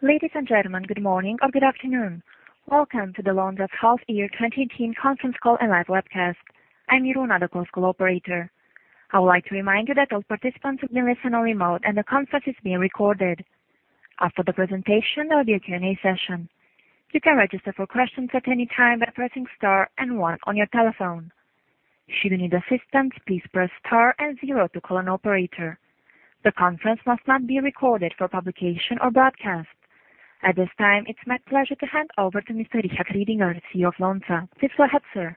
Ladies and gentlemen, good morning or good afternoon. Welcome to the Lonza Half Year 2018 conference call and live webcast. I'm Iruna, the call operator. I would like to remind you that all participants will be listening on remote, and the conference is being recorded. After the presentation, there will be a Q&A session. You can register for questions at any time by pressing star and one on your telephone. Should you need assistance, please press star and zero to call an operator. The conference must not be recorded for publication or broadcast. At this time, it's my pleasure to hand over to Mr. Richard Ridinger, CEO of Lonza. Please go ahead, sir.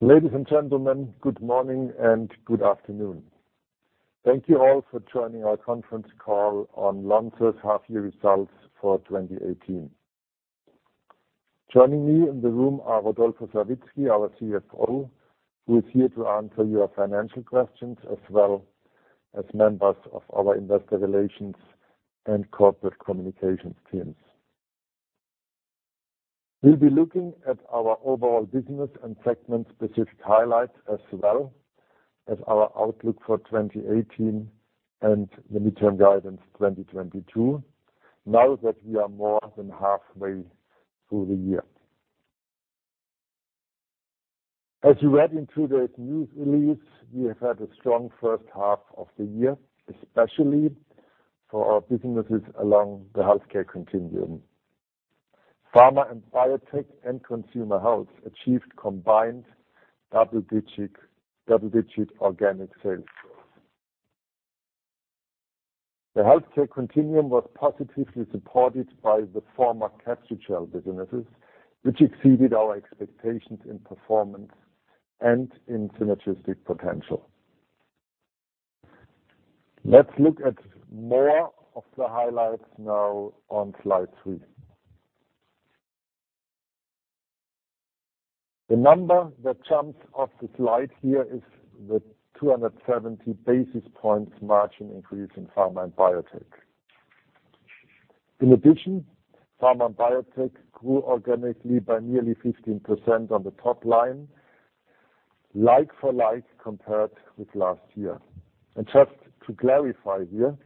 Ladies and gentlemen, good morning and good afternoon. Thank you all for joining our conference call on Lonza's half-year results for 2018. Joining me in the room are Rodolfo Savitzky, our CFO, who is here to answer your financial questions, as well as members of our investor relations and corporate communications teams. We'll be looking at our overall business and segment-specific highlights, as well as our outlook for 2018 and the midterm guidance 2022, now that we are more than halfway through the year. As you read in today's news release, we have had a strong first half of the year, especially for our businesses along the healthcare continuum. Pharma & Biotech and Consumer Health achieved combined double-digit organic sales growth. The healthcare continuum was positively supported by the former Capsugel businesses, which exceeded our expectations in performance and in synergistic potential. Let's look at more of the highlights now on slide three. The number that jumps off the slide here is the 270 basis points margin increase in Pharma & Biotech. Just to clarify here,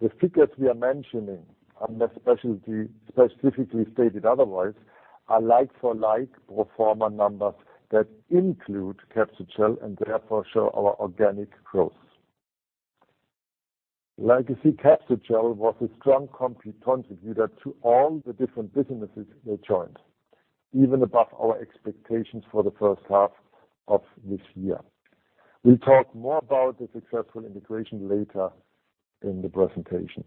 the figures we are mentioning, unless specifically stated otherwise, are like-for-like pro forma numbers that include Capsugel and therefore show our organic growth. Legacy Capsugel was a strong complete contributor to all the different businesses they joined, even above our expectations for the first half of this year. We'll talk more about the successful integration later in the presentation.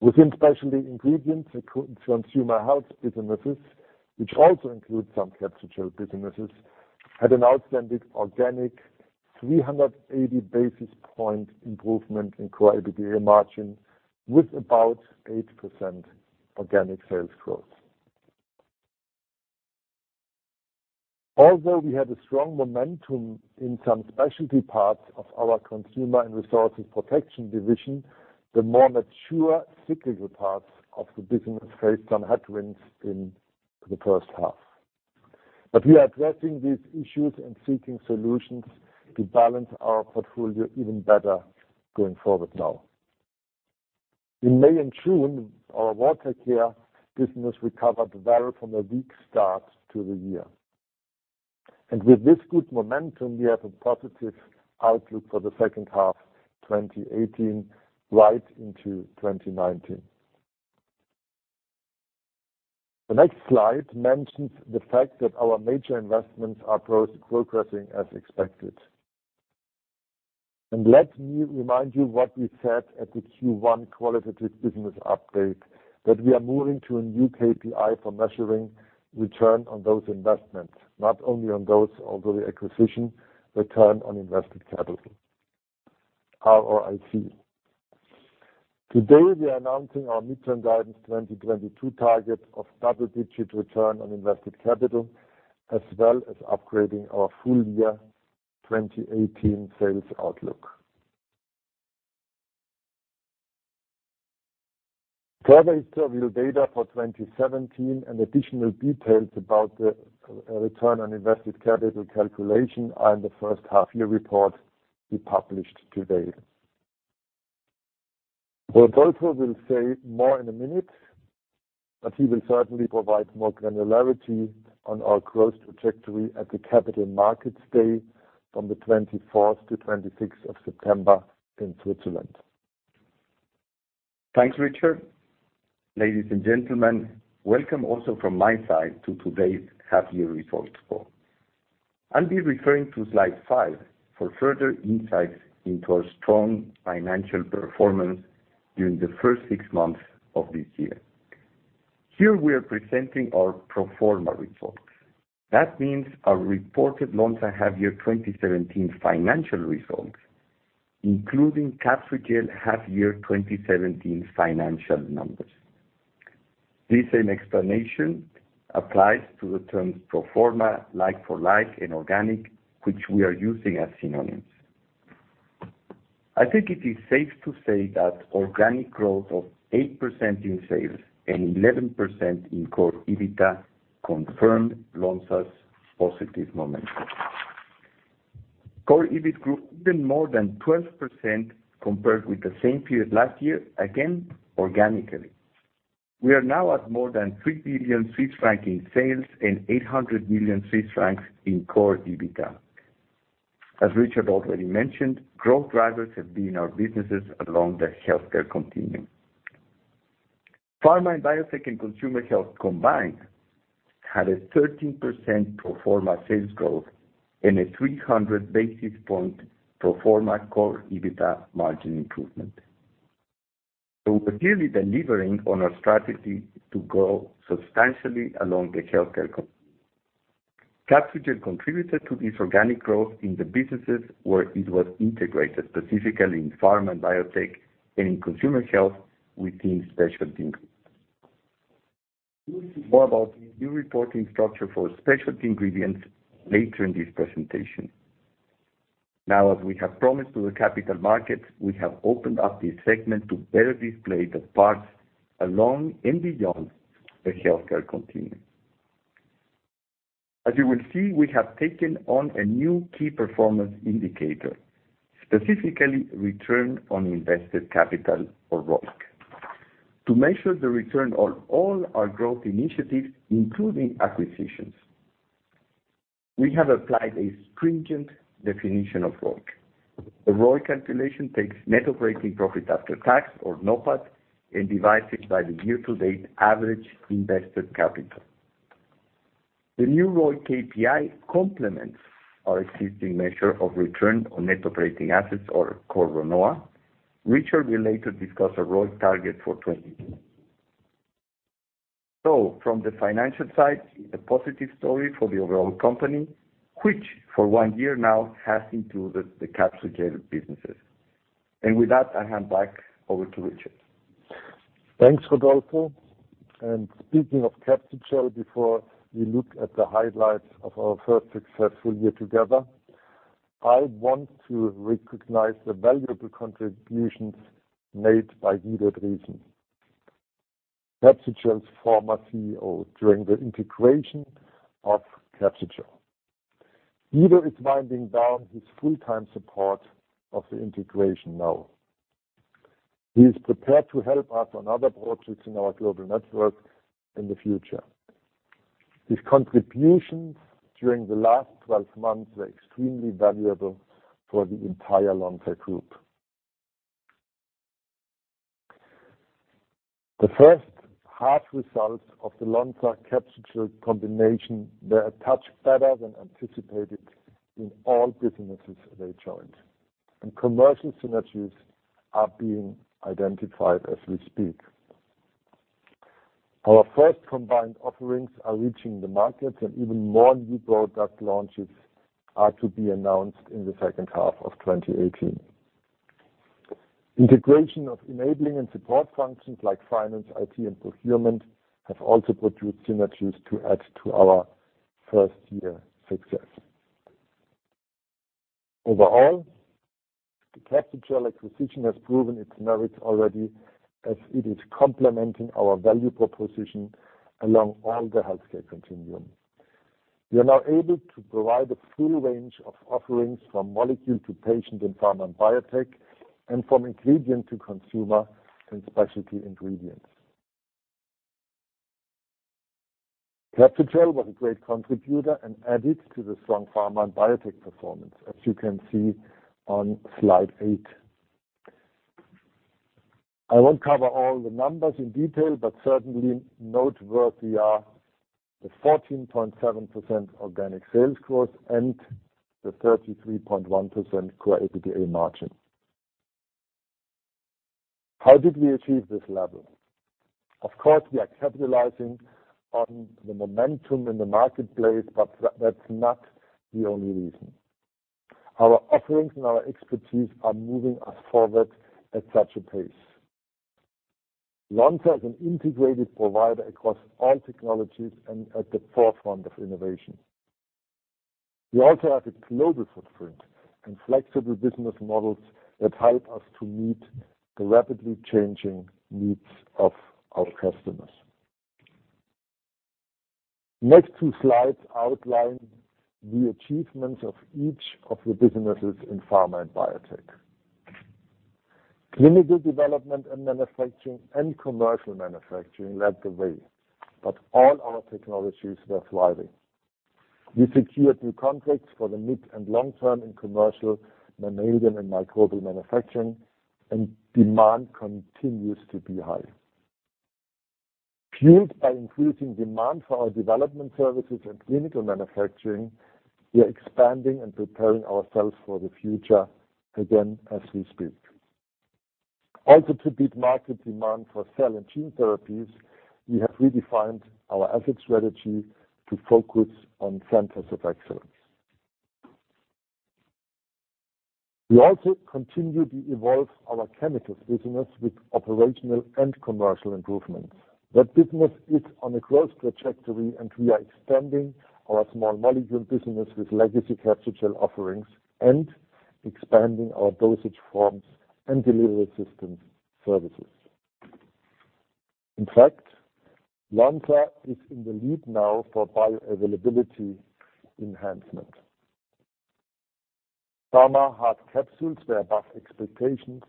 Within Specialty Ingredients and Consumer Health businesses, which also includes some Capsugel businesses, had an outstanding organic 380 basis point improvement in core EBITDA margin with about 8% organic sales growth. Although we had a strong momentum in some specialty parts of our Consumer & Resources Protection division, the more mature cyclical parts of the business faced some headwinds in the first half. We are addressing these issues and seeking solutions to balance our portfolio even better going forward now. In May and June, our Water Care business recovered well from a weak start to the year. With this good momentum, we have a positive outlook for the second half 2018 right into 2019. The next slide mentions the fact that our major investments are progressing as expected. Let me remind you what we said at the Q1 qualitative business update, that we are moving to a new KPI for measuring return on those investments, not only on those of the acquisition return on invested capital, ROIC. Today, we are announcing our midterm guidance 2022 target of double-digit return on invested capital, as well as upgrading our full year 2018 sales outlook. Further historical data for 2017 and additional details about the return on invested capital calculation are in the first half-year report we published today. Rodolfo will say more in a minute, but he will certainly provide more granularity on our growth trajectory at the Capital Markets Day from the 24th to 26th of September in Switzerland. Thanks, Richard. Ladies and gentlemen, welcome also from my side to today's half-year results call. I'll be referring to slide five for further insights into our strong financial performance during the first six months of this year. Here, we are presenting our pro forma results. That means our reported Lonza half-year 2017 financial results, including Capsugel half-year 2017 financial numbers. This same explanation applies to the terms pro forma, like-for-like, and organic, which we are using as synonyms. I think it is safe to say that organic growth of 8% in sales and 11% in core EBITDA confirmed Lonza's positive momentum. Core EBIT grew even more than 12% compared with the same period last year, again, organically. We are now at more than 3 billion Swiss francs in sales and 800 million Swiss francs in core EBITDA. As Richard already mentioned, growth drivers have been our businesses along the healthcare continuum. Pharma & Biotech and Consumer Health combined had a 13% pro forma sales growth and a 300 basis point pro forma core EBITDA margin improvement. We're clearly delivering on our strategy to grow substantially along the healthcare continuum. Capsugel contributed to this organic growth in the businesses where it was integrated, specifically in Pharma & Biotech and in Consumer Health within Specialty Ingredients. You will see more about the new reporting structure for Specialty Ingredients later in this presentation. As we have promised to the capital markets, we have opened up this segment to better display the parts along and beyond the healthcare continuum. As you will see, we have taken on a new key performance indicator, specifically return on invested capital or ROIC, to measure the return on all our growth initiatives, including acquisitions. We have applied a stringent definition of ROIC. The ROIC calculation takes net operating profit after tax, or NOPAT, and divides it by the year-to-date average invested capital. The new ROIC KPI complements our existing measure of return on net operating assets or core RNOA. Richard will later discuss a ROIC target for 2022. From the financial side, it's a positive story for the overall company, which for one year now has included the Capsugel businesses. With that, I hand back over to Richard. Thanks, Rodolfo. Speaking of Capsugel, before we look at the highlights of our first successful year together, I want to recognize the valuable contributions made by Guido Driesen, Capsugel's former CEO, during the integration of Capsugel. Guido is winding down his full-time support of the integration now. He is prepared to help us on other projects in our global network in the future. His contributions during the last 12 months were extremely valuable for the entire Lonza Group. The first half results of the Lonza-Capsugel combination were a touch better than anticipated in all businesses they joined, and commercial synergies are being identified as we speak. Our first combined offerings are reaching the markets, and even more new product launches are to be announced in the second half of 2018. Integration of enabling and support functions like finance, IT, and procurement have also produced synergies to add to our first-year success. Overall, the Capsugel acquisition has proven its merits already as it is complementing our value proposition along all the healthcare continuum. We are now able to provide a full range of offerings from molecule to patient in Pharma & Biotech and from ingredient to consumer in Specialty Ingredients. Capsugel was a great contributor and added to the strong Pharma & Biotech performance, as you can see on slide eight. I won't cover all the numbers in detail, but certainly noteworthy are the 14.7% organic sales growth and the 33.1% core EBITDA margin. How did we achieve this level? Of course, we are capitalizing on the momentum in the marketplace, but that's not the only reason. Our offerings and our expertise are moving us forward at such a pace. Lonza is an integrated provider across all technologies and at the forefront of innovation. We also have a global footprint and flexible business models that help us to meet the rapidly changing needs of our customers. Next two slides outline the achievements of each of the businesses in Pharma & Biotech. Clinical development and manufacturing and commercial manufacturing led the way, but all our technologies were thriving. We secured new contracts for the mid and long term in commercial, mammalian, and microbial manufacturing, and demand continues to be high. Fueled by increasing demand for our development services and clinical manufacturing, we are expanding and preparing ourselves for the future again as we speak. Also, to beat market demand for cell and gene therapies, we have redefined our asset strategy to focus on centers of excellence. We also continue to evolve our chemicals business with operational and commercial improvements. That business is on a growth trajectory, and we are expanding our small molecule business with legacy Capsugel offerings and expanding our dosage forms and delivery systems services. In fact, Lonza is in the lead now for bioavailability enhancement. Pharma hard capsules were above expectations,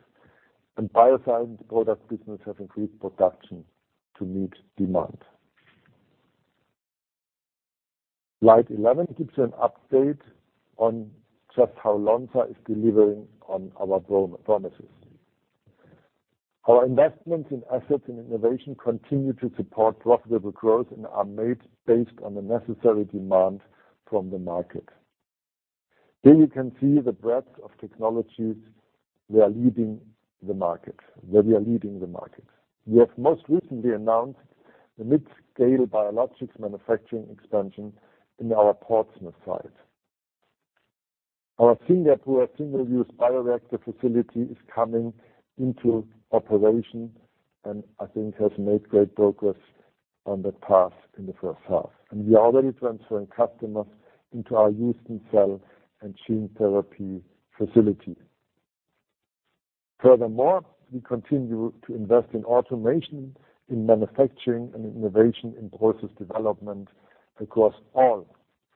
and bioscience product business have increased production to meet demand. Slide 11 gives you an update on just how Lonza is delivering on our promises. Our investments in assets and innovation continue to support profitable growth and are made based on the necessary demand from the market. Here you can see the breadth of technologies where we are leading the market. We have most recently announced the mid-scale biologics manufacturing expansion in our Portsmouth site. Our Singapore single-use bioreactor facility is coming into operation, and I think has made great progress on that path in the first half. We are already transferring customers into our Pearland cell and gene therapy facility. Furthermore, we continue to invest in automation, in manufacturing and innovation, in process development across all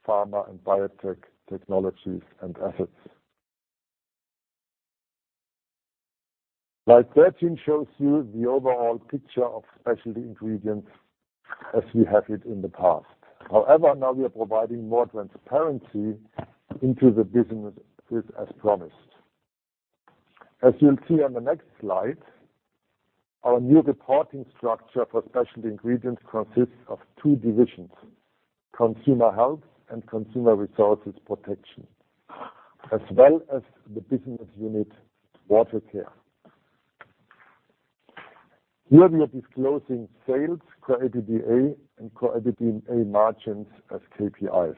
Pharma & Biotech technologies and assets. Slide 13 shows you the overall picture of Specialty Ingredients as we have it in the past. However, now we are providing more transparency into the businesses as promised. As you'll see on the next slide, our new reporting structure for Specialty Ingredients consists of two divisions, Consumer Health and Consumer & Resources Protection, as well as the business unit Water Care. Here we are disclosing sales, core EBITDA, and core EBITDA margins as KPIs.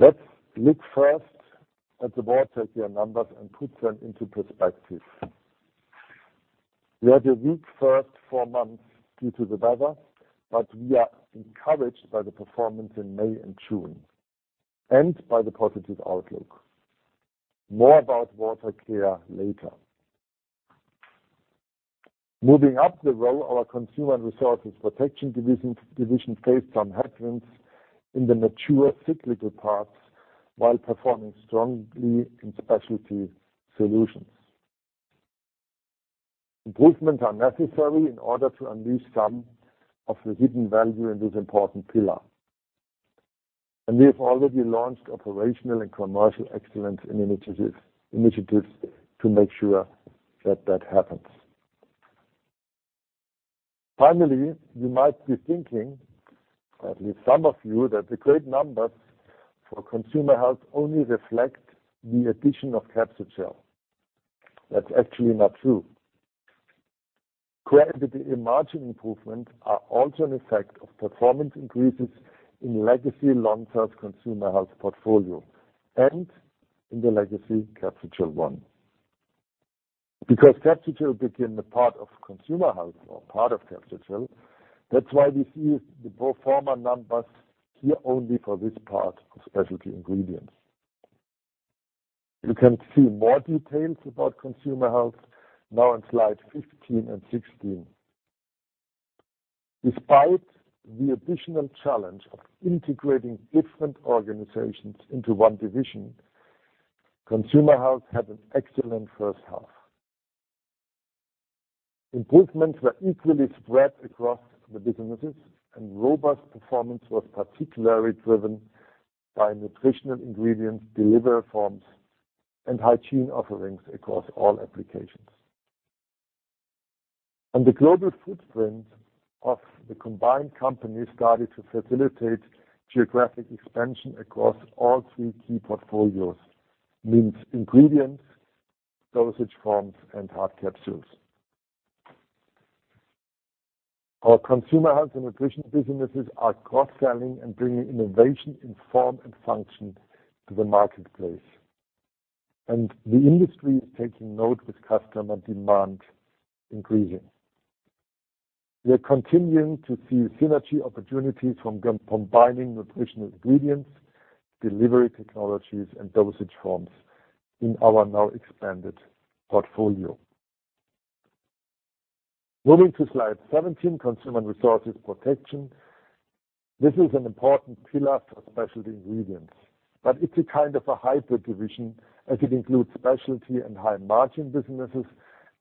Let's look first at the Water Care numbers and put them into perspective. We had a weak first four months due to the weather, we are encouraged by the performance in May and June, and by the positive outlook. More about Water Care later. Moving up the row, our Consumer & Resources Protection division faced some headwinds in the mature cyclical parts while performing strongly in specialty solutions. Improvements are necessary in order to unleash some of the hidden value in this important pillar. We have already launched operational and commercial excellence initiatives to make sure that that happens. Finally, you might be thinking, at least some of you, that the great numbers for Consumer Health only reflect the addition of Capsugel. That's actually not true. Core EBITDA margin improvements are also an effect of performance increases in legacy Lonza's Consumer Health portfolio and in the legacy Capsugel one. Capsugel became a part of Consumer Health or part of Capsugel, that's why we see the pro forma numbers here only for this part of Specialty Ingredients. You can see more details about Consumer Health now on slide 15 and 16. Despite the additional challenge of integrating different organizations into one division, Consumer Health had an excellent first half. Improvements were equally spread across the businesses, and robust performance was particularly driven by nutritional ingredients, delivery forms, and hygiene offerings across all applications. The global footprint of the combined company started to facilitate geographic expansion across all three key portfolios, means ingredients, dosage forms, and hard capsules. Our Consumer Health and nutrition businesses are cross-selling and bringing innovation in form and function to the marketplace. The industry is taking note with customer demand increasing. We are continuing to see synergy opportunities from combining nutritional ingredients, delivery technologies, and dosage forms in our now expanded portfolio. Moving to slide 17, Consumer & Resources Protection. This is an important pillar for Specialty Ingredients, it's a kind of a hybrid division as it includes specialty and high margin businesses,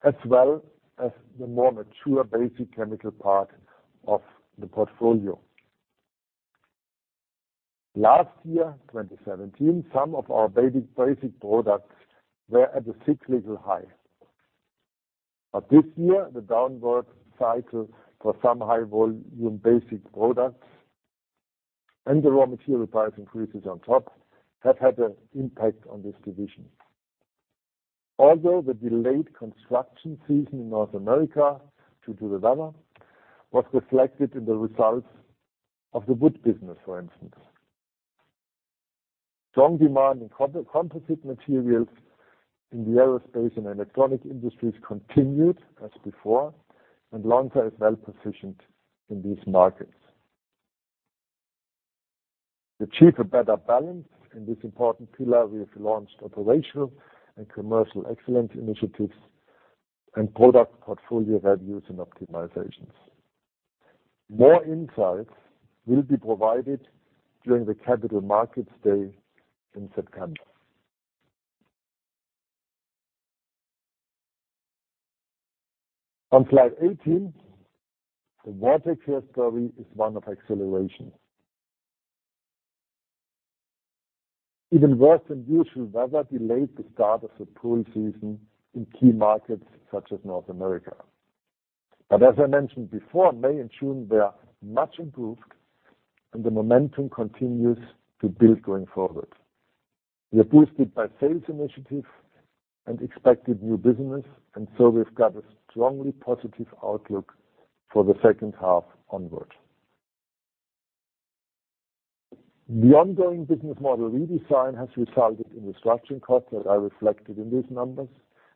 as well as the more mature basic chemical part of the portfolio. Last year, 2017, some of our basic products were at a cyclical high. This year, the downward cycle for some high volume basic products and the raw material price increases on top have had an impact on this division. Although the delayed construction season in North America due to the weather was reflected in the results of the wood business, for instance. Strong demand in composite materials in the aerospace and electronic industries continued as before, Lonza is well-positioned in these markets. To achieve a better balance in this important pillar, we have launched operational and commercial excellence initiatives and product portfolio reviews and optimizations. More insights will be provided during the Capital Markets Day in September. On slide 18, the Water Care story is one of acceleration. Even worse than usual weather delayed the start of the pool season in key markets such as North America. As I mentioned before, May and June were much improved and the momentum continues to build going forward. We are boosted by sales initiatives and expected new business, we've got a strongly positive outlook for the second half onwards. The ongoing business model redesign has resulted in restructuring costs that are reflected in these numbers.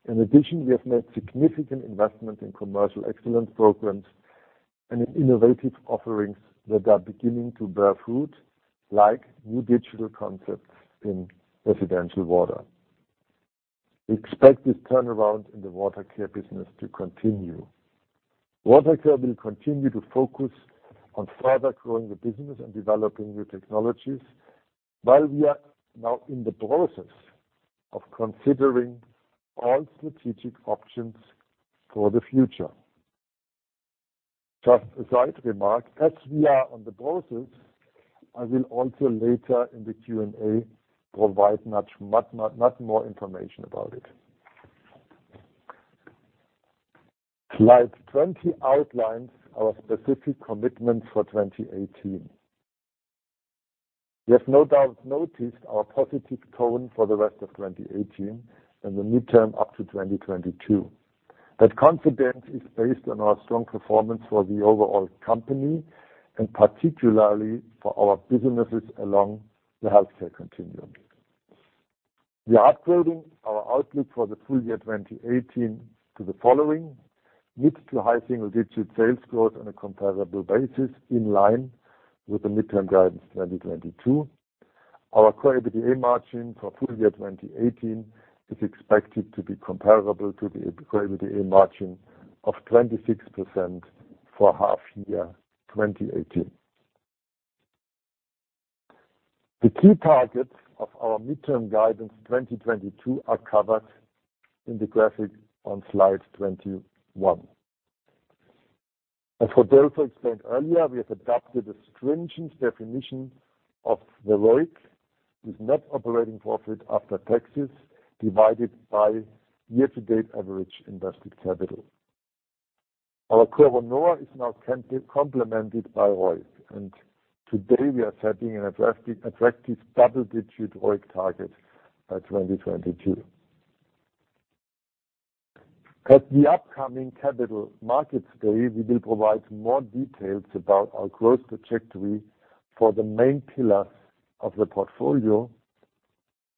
In addition, we have made significant investment in commercial excellence programs and in innovative offerings that are beginning to bear fruit, like new digital concepts in residential water. We expect this turnaround in the Water Care business to continue. Water Care will continue to focus on further growing the business and developing new technologies while we are now in the process of considering all strategic options for the future. Just a side remark, as we are in the process, I will also later in the Q&A provide much more information about it. Slide 20 outlines our specific commitments for 2018. You have no doubt noticed our positive tone for the rest of 2018 and the midterm up to 2022. That confidence is based on our strong performance for the overall company, and particularly for our businesses along the healthcare continuum. We are upgrading our outlook for the full year 2018 to the following: mid to high single-digit sales growth on a comparable basis, in line with the midterm guidance 2022. Our core EBITDA margin for full year 2018 is expected to be comparable to the core EBITDA margin of 26% for half year 2018. The key targets of our midterm guidance 2022 are covered in the graphic on slide 21. As Rodolfo explained earlier, we have adopted a stringent definition of the ROIC with net operating profit after taxes divided by year-to-date average invested capital. Our core RNOA is now complemented by ROIC, and today we are setting an attractive double-digit ROIC target by 2022. At the upcoming Capital Markets Day, we will provide more details about our growth trajectory for the main pillars of the portfolio,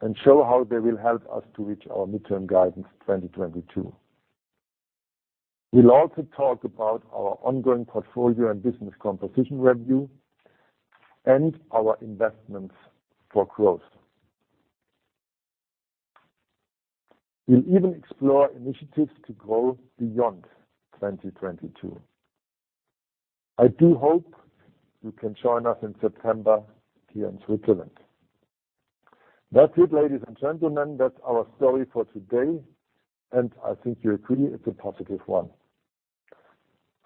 and show how they will help us to reach our midterm guidance 2022. We'll also talk about our ongoing portfolio and business composition review and our investments for growth. We'll even explore initiatives to grow beyond 2022. I do hope you can join us in September here in Switzerland. That's it, ladies and gentlemen. That's our story for today, I think you agree it's a positive one.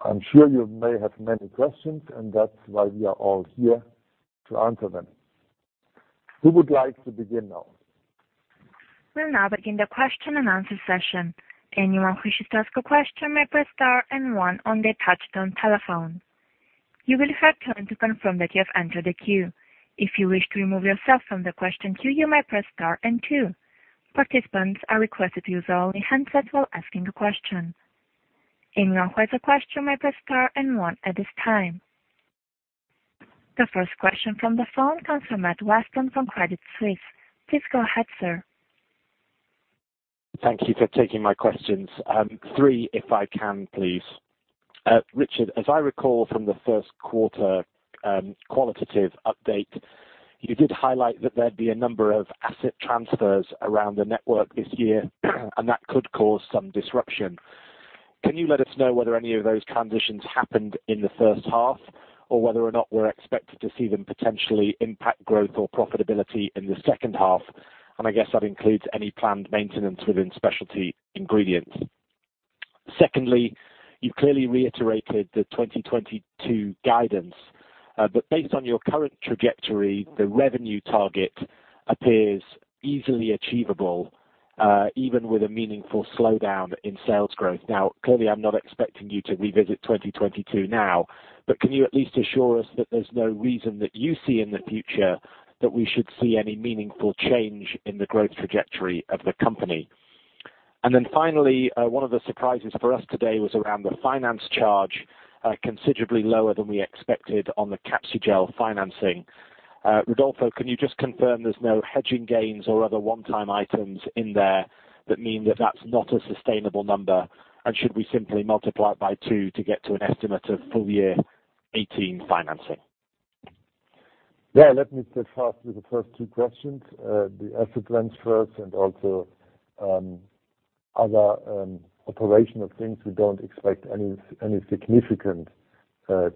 I'm sure you may have many questions, that's why we are all here to answer them. Who would like to begin now? We'll now begin the question and answer session. Anyone who wishes to ask a question may press star and one on their touch-tone telephone. You will hear a tone to confirm that you have entered the queue. If you wish to remove yourself from the question queue, you may press star and two. Participants are requested to use only handsets while asking a question. Anyone who has a question may press star and one at this time. The first question from the phone comes from Matthew Weston from Credit Suisse. Please go ahead, sir. Thank you for taking my questions. Three, if I can please. Richard, as I recall from the first quarter qualitative update, you did highlight that there'd be a number of asset transfers around the network this year and that could cause some disruption. Can you let us know whether any of those transitions happened in the first half, or whether or not we're expected to see them potentially impact growth or profitability in the second half? I guess that includes any planned maintenance within Specialty Ingredients. You've clearly reiterated the 2022 guidance. Based on your current trajectory, the revenue target appears easily achievable, even with a meaningful slowdown in sales growth. Clearly, I'm not expecting you to revisit 2022 now, can you at least assure us that there's no reason that you see in the future that we should see any meaningful change in the growth trajectory of the company? Finally, one of the surprises for us today was around the finance charge, considerably lower than we expected on the Capsugel financing. Rodolfo, can you just confirm there's no hedging gains or other one-time items in there that mean that that's not a sustainable number? Should we simply multiply it by two to get to an estimate of full year 2018 financing? Let me start fast with the first two questions. The asset transfers and also other operational things, we don't expect any significant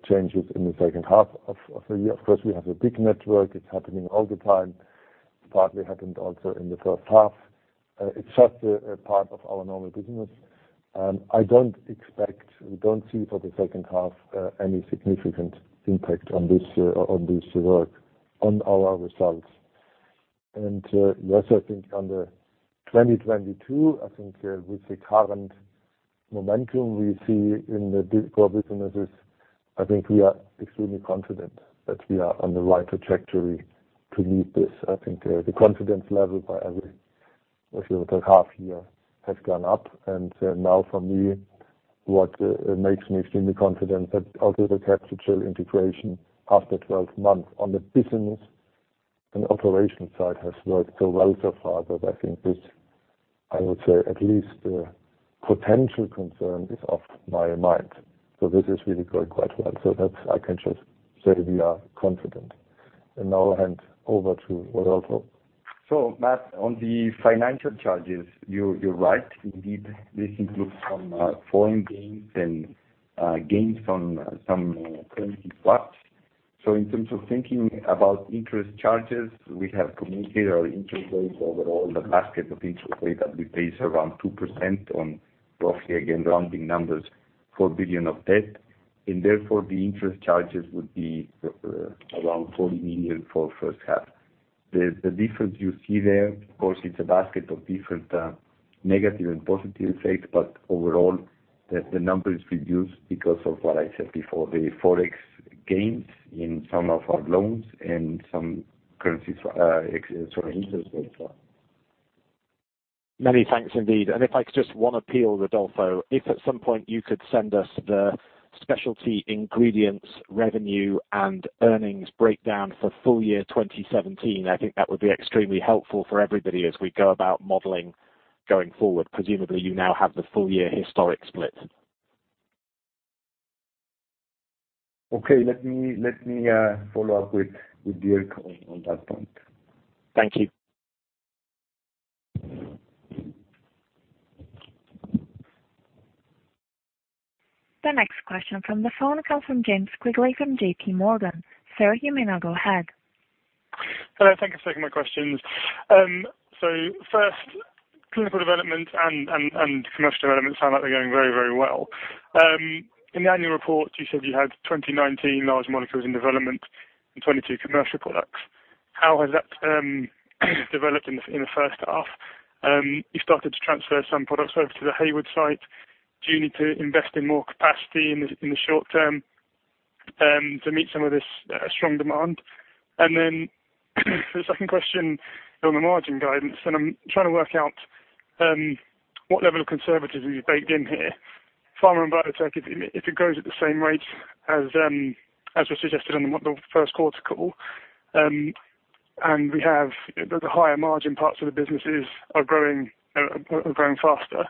changes in the second half of the year. Of course, we have a big network. It's happening all the time. Partly happened also in the first half. It's just a part of our normal business. I don't expect, we don't see for the second half, any significant impact on this work on our results. Yes, I think on the 2022, I think with the current momentum we see in the core businesses, I think we are extremely confident that we are on the right trajectory to meet this. I think the confidence level by every half year has gone up, and now for me, what makes me extremely confident that although the Capsugel integration after 12 months on the business and operational side has worked so well so far that I think this, I would say at least potential concern is off my mind. This is really going quite well. That I can just say we are confident. Now I hand over to Rodolfo. Matt, on the financial charges, you're right. Indeed, this includes some foreign gains and gains from some currency swaps. In terms of thinking about interest charges, we have communicated our interest rates overall, the basket of interest rate that we pay is around 2% on, roughly again, rounding numbers, 4 billion of debt. Therefore, the interest charges would be around 40 million for first half. The difference you see there, of course, it's a basket of different negative and positive effects, but overall, the number is reduced because of what I said before, the Forex gains in some of our loans and some currency exchanges as well. Many thanks, indeed. If I could just, one appeal, Rodolfo. If at some point you could send us the Specialty Ingredients revenue and earnings breakdown for full year 2017, I think that would be extremely helpful for everybody as we go about modeling going forward. Presumably, you now have the full year historic split. Okay, let me follow up with Dirk on that point. Thank you. The next question from the phone comes from James Quigley from J.P. Morgan. Sir, you may now go ahead. Hello, thank you for taking my questions. First, clinical development and commercial development sound like they're going very well. In the annual report, you said you had 2,019 large molecules in development and 22 commercial products. How has that developed in the first half? You started to transfer some products over to the Hayward site. Do you need to invest in more capacity in the short term to meet some of this strong demand? The second question on the margin guidance, I'm trying to work out what level of conservatism you've baked in here. Pharma & Biotech, if it grows at the same rate as was suggested on the first quarter call, we have the higher margin parts of the businesses are growing faster.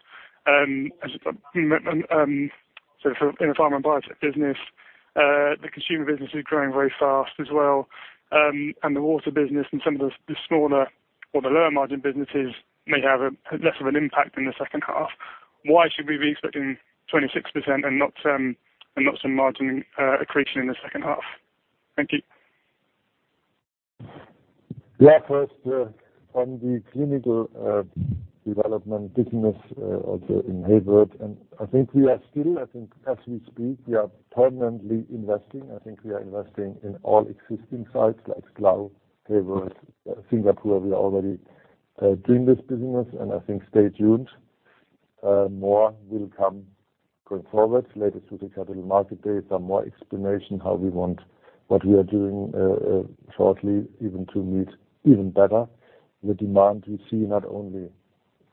In the Pharma & Biotech business, the consumer business is growing very fast as well. The Water Care business and some of the smaller or the lower margin businesses may have less of an impact in the second half. Why should we be expecting 26% and not some margin accretion in the second half? Thank you. Yeah, first, on the clinical development business in Hayward. I think we are still, as we speak, we are permanently investing. I think we are investing in all existing sites like Slough, Hayward, Singapore. We are already doing this business, I think stay tuned. More will come going forward later through the Capital Markets Day, some more explanation how we want what we are doing shortly even to meet even better the demand we see not only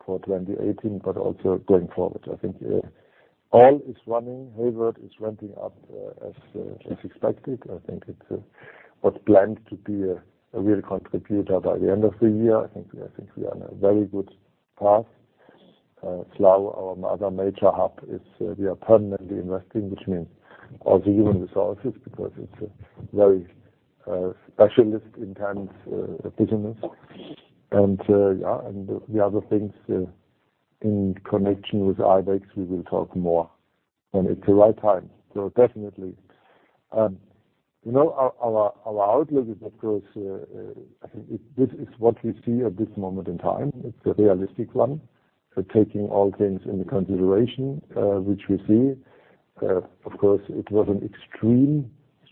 for 2018 but also going forward. I think all is running. Hayward is ramping up as expected. I think it was planned to be a real contributor by the end of the year. I think we are on a very good path. Slough, our other major hub is we are permanently investing, which means also human resources because it's a very specialist-intense business. The other things in connection with Ibex, we will talk more when it's the right time. Definitely. Our outlook is, of course, I think this is what we see at this moment in time. It's a realistic one. Taking all things into consideration, which we see. Of course, it was an extremely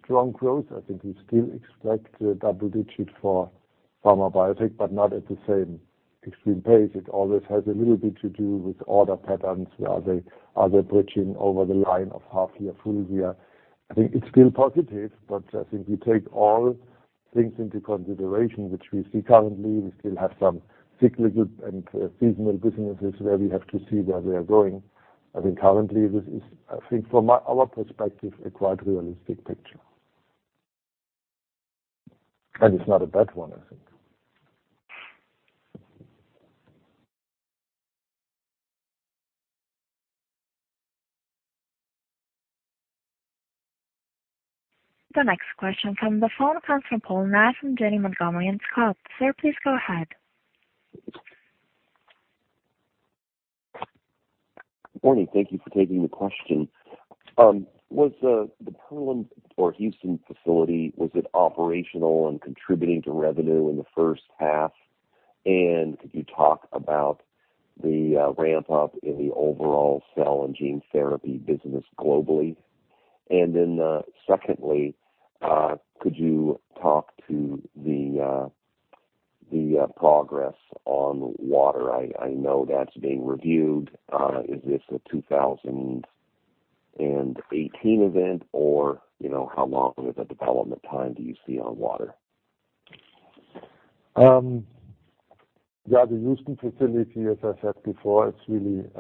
strong growth. I think we still expect double digits for Pharma & Biotech, but not at the same extreme pace. It always has a little bit to do with order patterns. Are they bridging over the line of half year, full year? I think it's still positive, but I think we take all things into consideration, which we see currently. We still have some cyclical and seasonal businesses where we have to see where we are going. I think currently this is, I think from our perspective, a quite realistic picture. It's not a bad one, I think. The next question from the phone comes from Paul Knight from Janny Montgomery Scott. Sir, please go ahead. Good morning. Thank you for taking the question. Was the Pearland or Houston facility operational and contributing to revenue in the first half? Could you talk about the ramp up in the overall cell and gene therapy business globally? Secondly, could you talk to the progress on water? I know that's being reviewed. Is this a 2018 event or how long of a development time do you see on water? The Houston facility, as I said before, I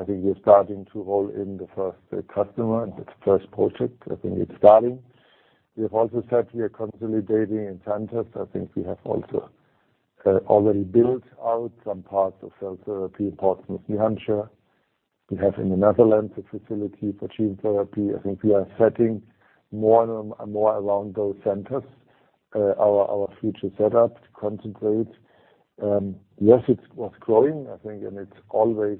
think we're starting to roll in the first customer and the first project. I think it's starting. We have also said we are consolidating in centers. I think we have also already built out some parts of cell therapy in Portsmouth, New Hampshire. We have in the Netherlands a facility for gene therapy. I think we are setting more and more around those centers our future setup to concentrate. Yes, it was growing, I think, and it's always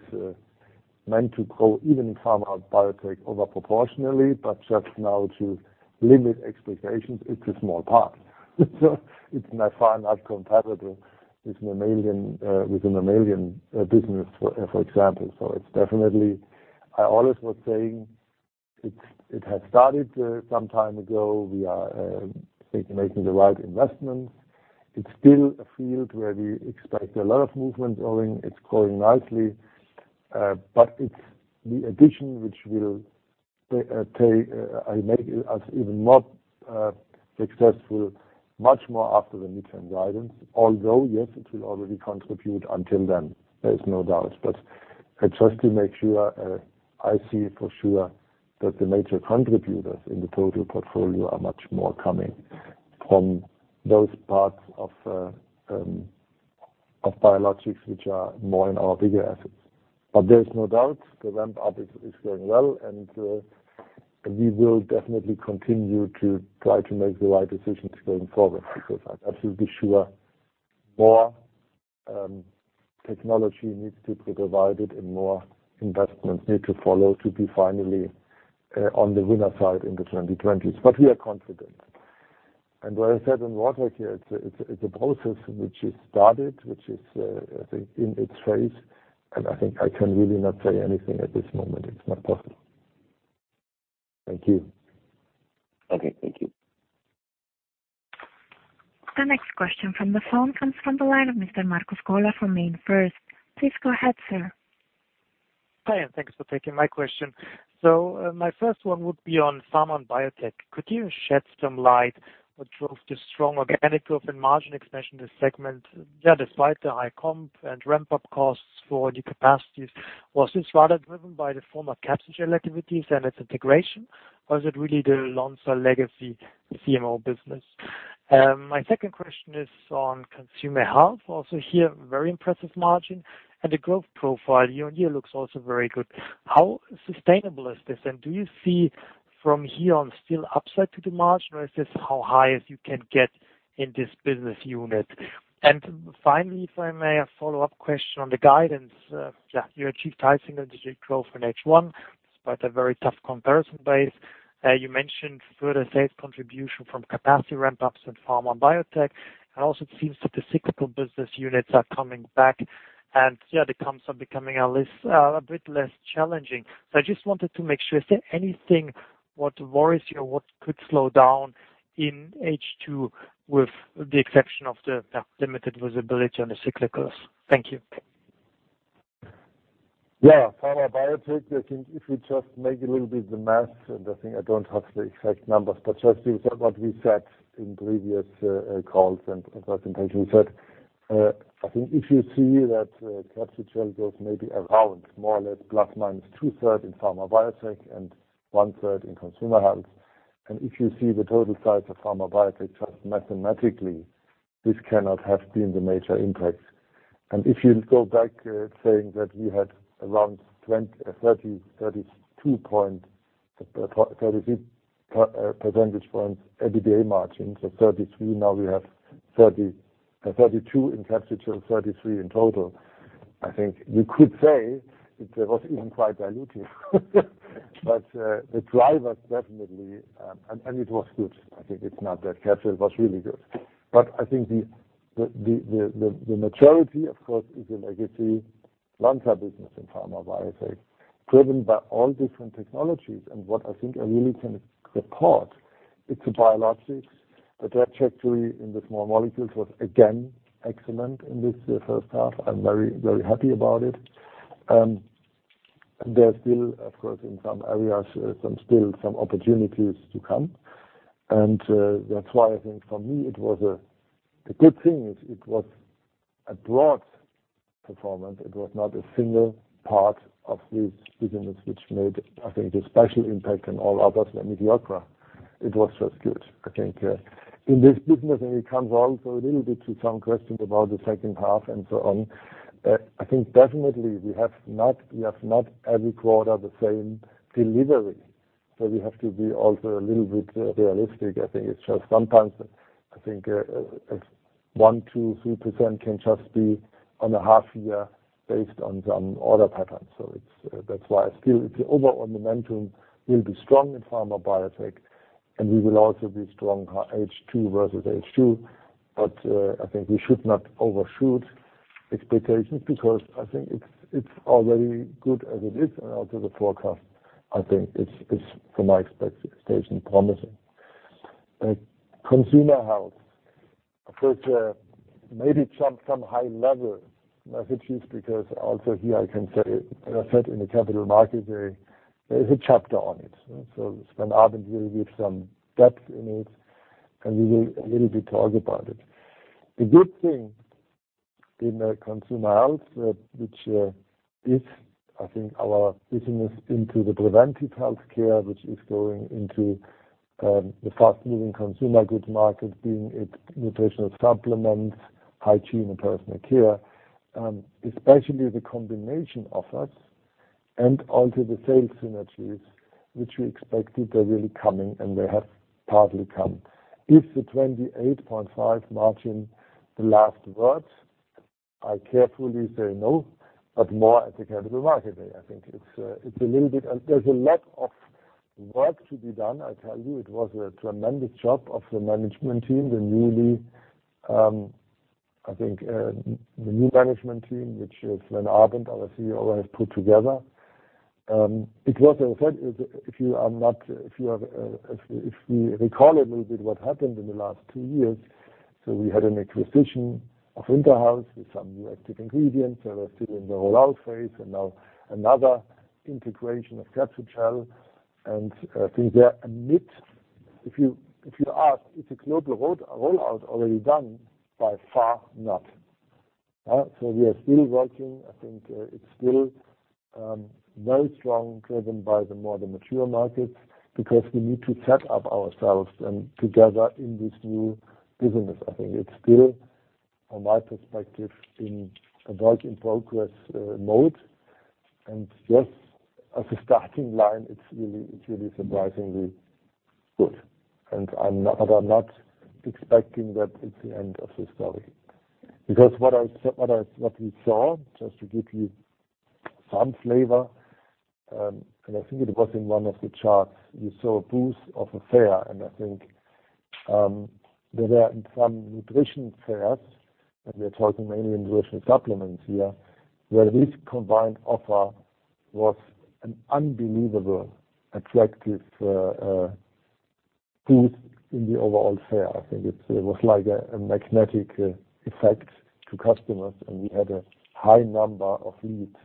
meant to grow even in Pharma & Biotech over proportionally, but just now to limit expectations, it's a small part. It's by far not comparable with the mammalian business, for example. It's definitely, I always was saying it had started some time ago. We are, I think, making the right investments. It's still a field where we expect a lot of movement going. It's growing nicely. It's the addition which will make us even more successful much more after the midterm guidance. Although, yes, it will already contribute until then, there's no doubt. Just to make sure, I see for sure that the major contributors in the total portfolio are much more coming from those parts of biologics, which are more in our bigger assets. There's no doubt the ramp-up is going well, and we will definitely continue to try to make the right decisions going forward because I'm absolutely sure more technology needs to be provided and more investments need to follow to be finally on the winner side in the 2020s. We are confident. What I said on water here, it's a process which is started, which is, I think in its phase, and I think I can really not say anything at this moment. It's not possible. Thank you. Okay. Thank you. The next question from the phone comes from the line of Mr. Markus Gola from MainFirst. Please go ahead, sir. Hi. Thanks for taking my question. My first one would be on Pharma & Biotech. Could you shed some light what drove the strong organic growth and margin expansion this segment, despite the high comp and ramp-up costs for the capacities? Was this rather driven by the former Capsugel activities and its integration, or is it really the Lonza legacy CMO business? My second question is on Consumer Health. Also here, very impressive margin and the growth profile year-over-year looks also very good. How sustainable is this? Do you see from here on still upside to the margin or is this how high as you can get in this business unit? Finally, if I may, a follow-up question on the guidance. You achieved high single-digit growth in H1, despite a very tough comparison base. You mentioned further sales contribution from capacity ramp-ups in Pharma & Biotech. It also seems that the cyclical business units are coming back and the comps are becoming a bit less challenging. I just wanted to make sure, is there anything what worries you or what could slow down in H2 with the exception of the limited visibility on the cyclicals? Thank you. Yeah. Pharma & Biotech, I think if we just make a little bit the math, and I think I don't have the exact numbers, but just what we said in previous calls and presentations that I think if you see that Capsugel growth may be around more or less plus minus two-thirds in Pharma & Biotech and one-third in Consumer Health. If you see the total size of Pharma & Biotech, just mathematically, this cannot have been the major impact. If you go back saying that we had around 30, 32 percentage points EBITDA margin, so 33 now we have 32 in Capsugel, 33 in total. I think we could say it was even quite dilutive. The drivers definitely, and it was good. I think it's not that Capsugel was really good. I think the maturity, of course, is a legacy Lonza business in Pharma & Biotech, driven by all different technologies. What I think I really can report, it's the biologics, the trajectory in the small molecules was again excellent in this first half. I'm very, very happy about it. There's still, of course, in some areas, still some opportunities to come. That's why I think for me, the good thing is it was a broad performance. It was not a single part of this business which made, I think, a special impact on all others than mediocre. It was just good. I think in this business, and it comes also a little bit to some questions about the second half and so on, I think definitely we have not every quarter the same delivery. We have to be also a little bit realistic. I think it's just sometimes, I think 1%, 2%, 3% can just be on a half year based on some order patterns. That's why still, the overall momentum will be strong in Pharma & Biotech, and we will also be strong H2 versus H2. I think we should not overshoot expectations because I think it's already good as it is. Also the forecast, I think it's, from my expectation, promising. Consumer Health, of course, maybe some high level messages, because also here I can say, as I said in the Capital Markets Day, there is a chapter on it. Sven Abend will give some depth in it, and we will a little bit talk about it. The good thing in Consumer Health, which is, I think, our business into the preventive healthcare, which is going into the fast-moving consumer goods market, being it nutritional supplements, hygiene, and personal care, especially the combination offers and also the sales synergies which we expected, they're really coming, and they have partly come. Is the 28.5% margin the last word? I carefully say no, but more at the Capital Markets Day. I think there's a lot of work to be done. I tell you it was a tremendous job of the management team, the new management team, which Sven Abend, our COO, has put together. As I said, if we recall a little bit what happened in the last two years, we had an acquisition of InterHealth Nutraceuticals with some new active ingredients that are still in the rollout phase and now another integration of Capsugel. I think they are. If you ask, is the global rollout already done? By far not. We are still working. I think it's still very strong, driven by more the mature markets, because we need to set up ourselves together in this new business. I think it's still, from my perspective, a work in progress mode. Just as a starting line, it's really surprisingly good. I'm not expecting that it's the end of the story. What we saw, just to give you some flavor, and I think it was in one of the charts, you saw a boost of a fair. I think there were in some nutrition fairs, and we are talking mainly nutritional supplements here, where this combined offer was an unbelievably attractive booth in the overall fair. I think it was like a magnetic effect to customers, and we had a high number of leads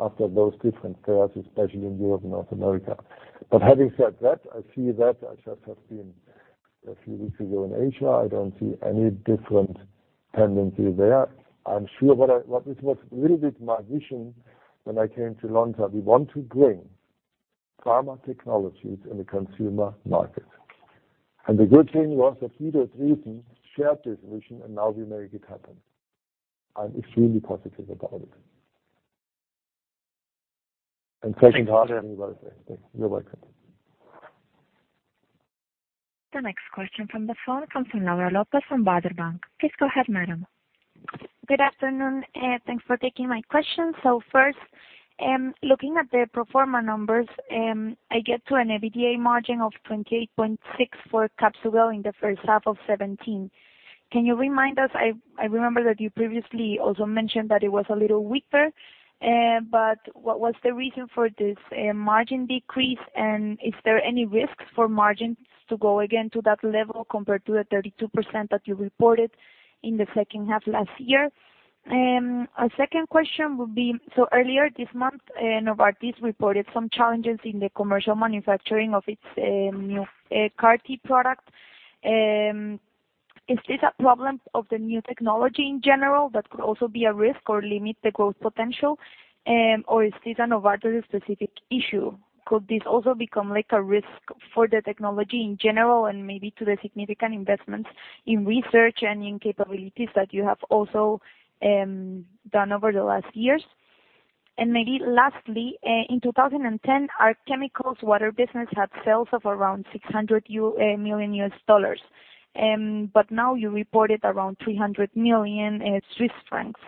after those different fairs, especially in Europe and North America. Having said that, I see that I just have been a few weeks ago in Asia. I don't see any different tendency there. I'm sure what was a little bit my vision when I came to Lonza, we want to bring pharma technologies in the consumer market. The good thing was that Peter Geuens shared this vision, and now we make it happen. I'm extremely positive about it. Second part. Thank you. You're welcome. The next question from the phone comes from Laura Lopez from Berenberg Bank. Please go ahead, madam. Good afternoon. Thanks for taking my question. First, looking at the pro forma numbers, I get to an EBITDA margin of 28.6% for Capsugel in the first half of 2017. Can you remind us, I remember that you previously also mentioned that it was a little weaker, but what was the reason for this margin decrease, and is there any risks for margins to go again to that level compared to the 32% that you reported in the second half last year? A second question would be, earlier this month, Novartis reported some challenges in the commercial manufacturing of its new CAR-T product. Is this a problem of the new technology in general that could also be a risk or limit the growth potential? Or is this a Novartis specific issue? Could this also become like a risk for the technology in general and maybe to the significant investments in research and in capabilities that you have also done over the last years? Lastly, in 2010, Arch Chemicals Water Care business had sales of around $600 million. Now you reported around 300 million Swiss francs.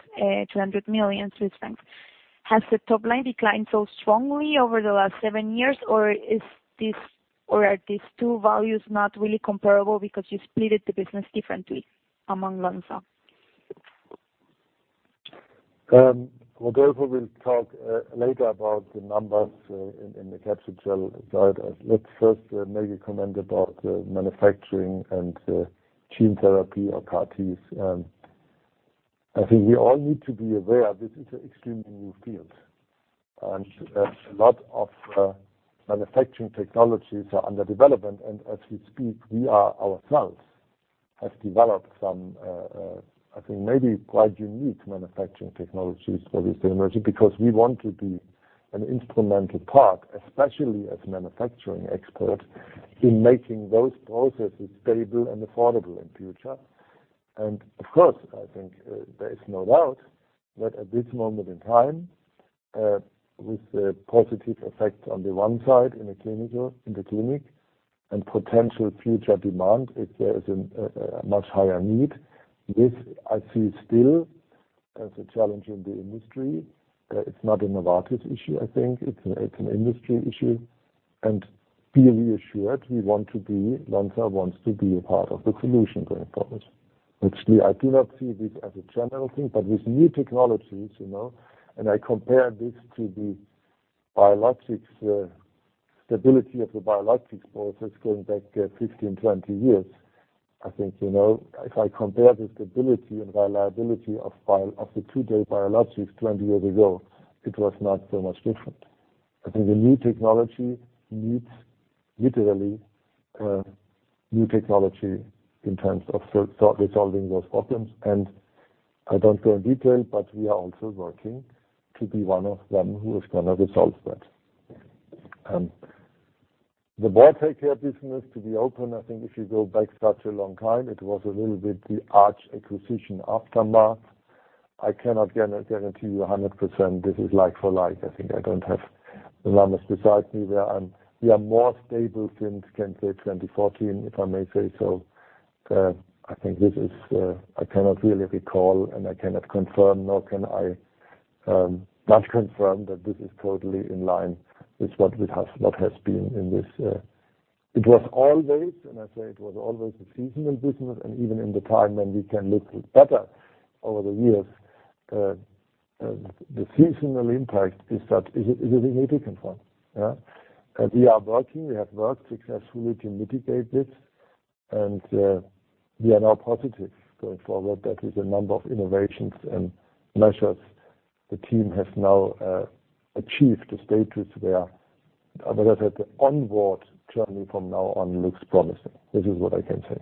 Has the top line declined so strongly over the last seven years, or are these two values not really comparable because you split the business differently among Lonza? Rodolfo will talk later about the numbers in the Capsugel side. Let's first make a comment about manufacturing and gene therapy or CAR-Ts. I think we all need to be aware this is an extremely new field, and a lot of manufacturing technologies are under development. As we speak, we are ourselves Has developed some, I think, maybe quite unique manufacturing technologies for this technology, because we want to be an instrumental part, especially as manufacturing expert, in making those processes stable and affordable in future. Of course, I think there is no doubt that at this moment in time, with the positive effects on the one side in the clinic, and potential future demand, if there is a much higher need. This I see still as a challenge in the industry. It's not a Novartis issue, I think. It's an industry issue. Be reassured, Lonza wants to be a part of the solution going forward. Actually, I do not see this as a general thing, but with new technologies, I compare this to the stability of the biologics process going back 15, 20 years. I think, if I compare the stability and reliability of the two-day biologics 20 years ago, it was not so much different. I think the new technology needs literally new technology in terms of resolving those problems. I do not go in detail, but we are also working to be one of them who is going to resolve that. The Water Care business, to be open, I think if you go back such a long time, it was a little bit the Arch acquisition aftermath. I cannot guarantee you 100% this is like for like, I think I do not have the numbers beside me. We are more stable since, can say 2014, if I may say so. I think this is, I cannot really recall, I cannot confirm, nor can I not confirm that this is totally in line with what has been in this. It was always, I say it was always the seasonal business, even in the time when we can look better over the years. The seasonal impact is a really significant one. We are working, we have worked successfully to mitigate this, and we are now positive going forward that with a number of innovations and measures the team has now achieved a status where, as I said, the onward journey from now on looks promising. This is what I can say.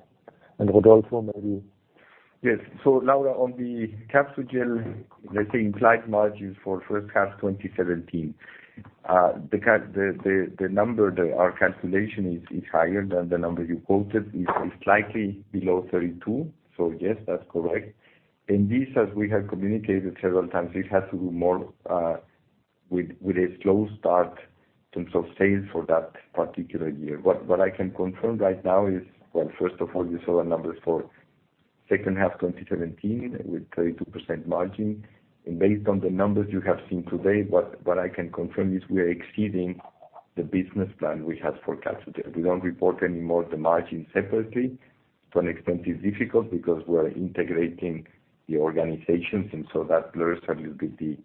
Rodolfo, maybe- Yes. Laura, on the Capsugel, let's say implied margins for first half 2017. The number that our calculation is higher than the number you quoted is slightly below 32. Yes, that's correct. This, as we have communicated several times, it has to do more with a slow start in terms of sales for that particular year. What I can confirm right now is, well, first of all, you saw our numbers for second half 2017 with 32% margin. Based on the numbers you have seen today, what I can confirm is we are exceeding the business plan we have for Capsugel. We do not report anymore the margin separately. To an extent it is difficult because we are integrating the organizations, that blurs a little bit the,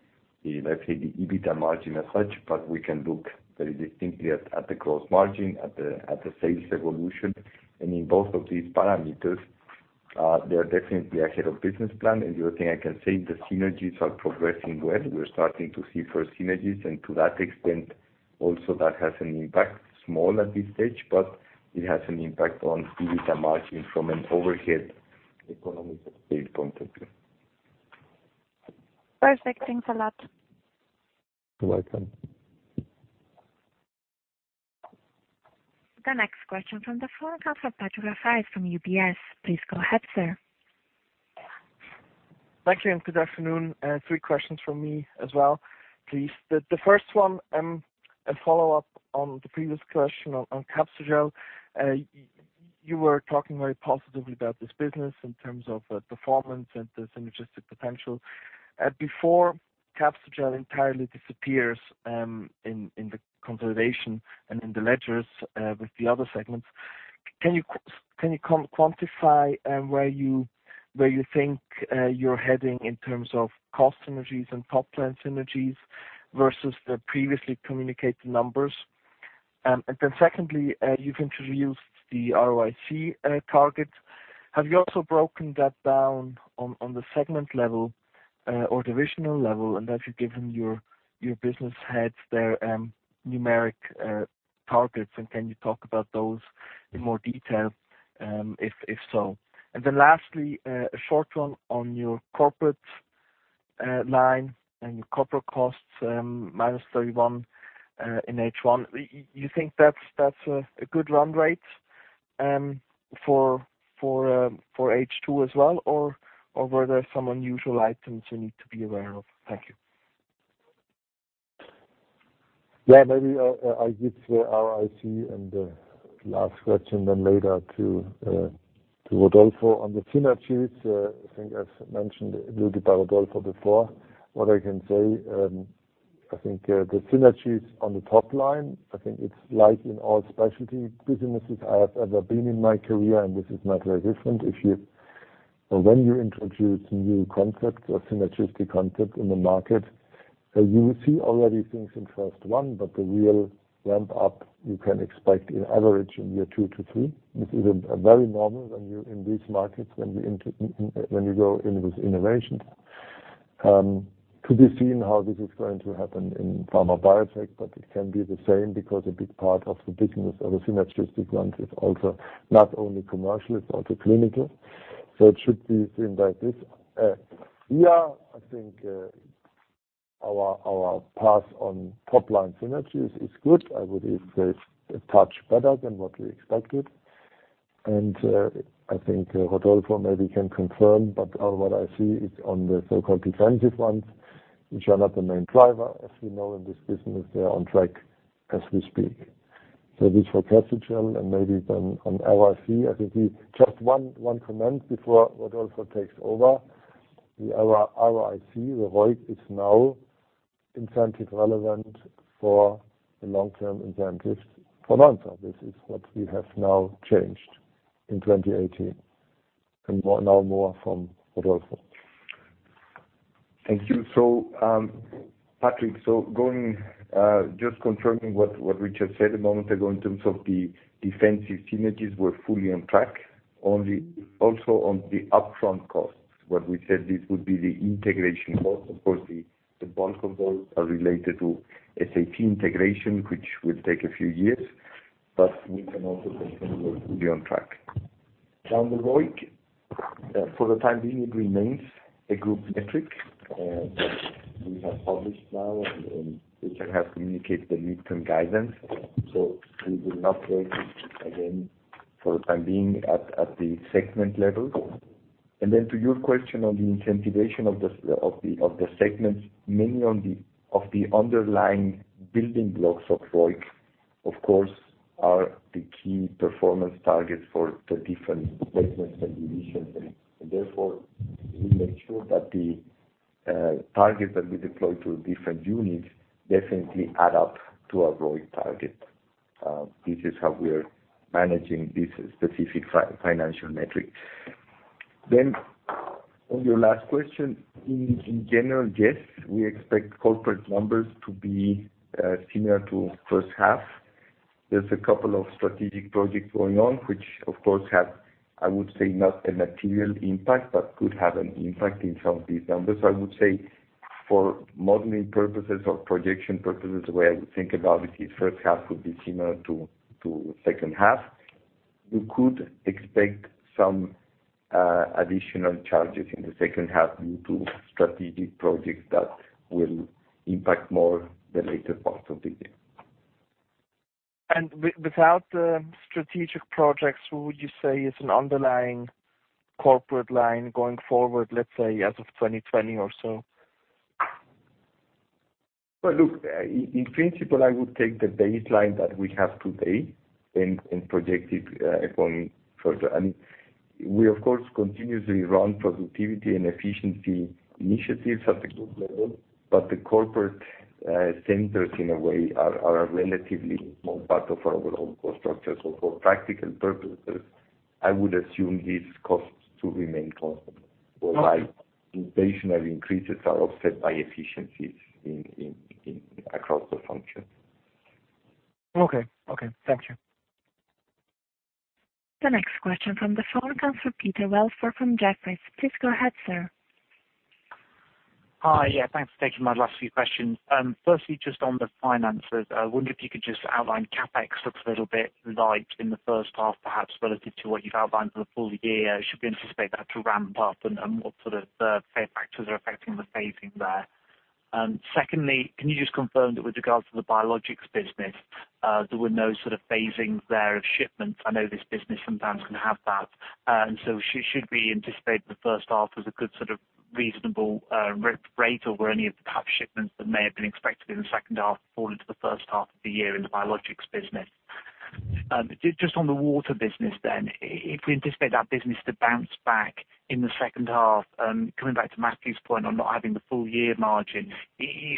let's say, the EBITDA margin as such, but we can look very distinctly at the gross margin, at the sales evolution. In both of these parameters, they are definitely ahead of business plan. The other thing I can say, the synergies are progressing well. We are starting to see first synergies, to that extent, also that has an impact, small at this stage, but it has an impact on EBITDA margin from an overhead economic sales point of view. Perfect. Thanks a lot. You're welcome. The next question from the phone comes from Patrick Rafaisz from UBS. Please go ahead, sir. Thank you. Good afternoon. three questions from me as well, please. The first one, a follow-up on the previous question on Capsugel. You were talking very positively about this business in terms of performance and the synergistic potential. Before Capsugel entirely disappears in the consolidation and in the ledgers with the other segments, can you quantify where you think you're heading in terms of cost synergies and top-line synergies versus the previously communicated numbers? Secondly, you've introduced the ROIC target. Have you also broken that down on the segment level or divisional level? Have you given your business heads their numeric targets, and can you talk about those in more detail, if so? Lastly, a short one on your corporate line and your corporate costs, minus 31 in H1. You think that's a good run rate for H2 as well, or were there some unusual items you need to be aware of? Thank you. Yeah, maybe I give the ROIC and the last question then later to Rodolfo. On the synergies, I think as mentioned, alluded by Rodolfo before, what I can say, I think the synergies on the top line, I think it's like in all specialty businesses I have ever been in my career, and this is not very different. If you or when you introduce new concepts or synergistic concepts in the market, you will see already things in first one, but the real ramp-up you can expect in average in year two to three. This is very normal in these markets when you go in with innovations. To be seen how this is going to happen in Pharma & Biotech, but it can be the same because a big part of the business of the synergistic ones is also not only commercial, it's also clinical. It should be seen like this. Yeah, I think our pass on top-line synergies is good. I would even say a touch better than what we expected. I think Rodolfo maybe can confirm, but all what I see is on the so-called defensive ones, which are not the main driver, as we know in this business, they are on track as we speak. This for Capsugel and maybe then on ROIC, I think Just one comment before Rodolfo takes over. The ROIC is now incentive relevant for the long-term incentives for Lonza. This is what we have now changed in 2018. Now more from Rodolfo. Thank you. Patrick, just confirming what Richard said a moment ago in terms of the defensive synergies were fully on track. Also on the upfront costs, what we said this would be the integration costs. Of course, the bulk of those are related to SAP integration, which will take a few years, but we can also confirm we are fully on track. On the ROIC, for the time being, it remains a group metric. We have published now and Richard has communicated the mid-term guidance. We will not break it again for the time being at the segment level. Then to your question on the incentivation of the segments, many of the underlying building blocks of ROIC, of course, are the key performance targets for the different segments and divisions. Therefore, we make sure that the target that we deploy to different units definitely add up to our ROIC target. This is how we are managing this specific financial metric. On your last question, in general, yes, we expect corporate numbers to be similar to first half. There is a couple of strategic projects going on, which of course have, I would say, not a material impact, but could have an impact in some of these numbers. I would say for modeling purposes or projection purposes, the way I would think about it is first half would be similar to second half. We could expect some additional charges in the second half due to strategic projects that will impact more the later parts of the year. Without the strategic projects, what would you say is an underlying corporate line going forward, let's say as of 2020 or so? Well, look, in principle, I would take the baseline that we have today and project it going further. We, of course, continuously run productivity and efficiency initiatives at the group level, but the corporate centers, in a way, are a relatively small part of our overall cost structure. For practical purposes, I would assume these costs to remain constant. Okay while inflationary increases are offset by efficiencies across the functions. Okay. Thank you. The next question from the phone comes from Peter Welford from Jefferies. Please go ahead, sir. Hi. Yeah, thanks for taking my last few questions. Firstly, just on the finances, I wonder if you could just outline CapEx looks a little bit light in the first half, perhaps relative to what you've outlined for the full year. Should we anticipate that to ramp up, and what sort of factors are affecting the phasing there? Secondly, can you just confirm that with regards to the biologics business, there were no sort of phasings there of shipments? I know this business sometimes can have that. Should we anticipate the first half as a good sort of reasonable rate, or were any of the perhaps shipments that may have been expected in the second half fall into the first half of the year in the biologics business? Just on the water business then, if we anticipate that business to bounce back in the second half, coming back to Matthew's point on not having the full year margin,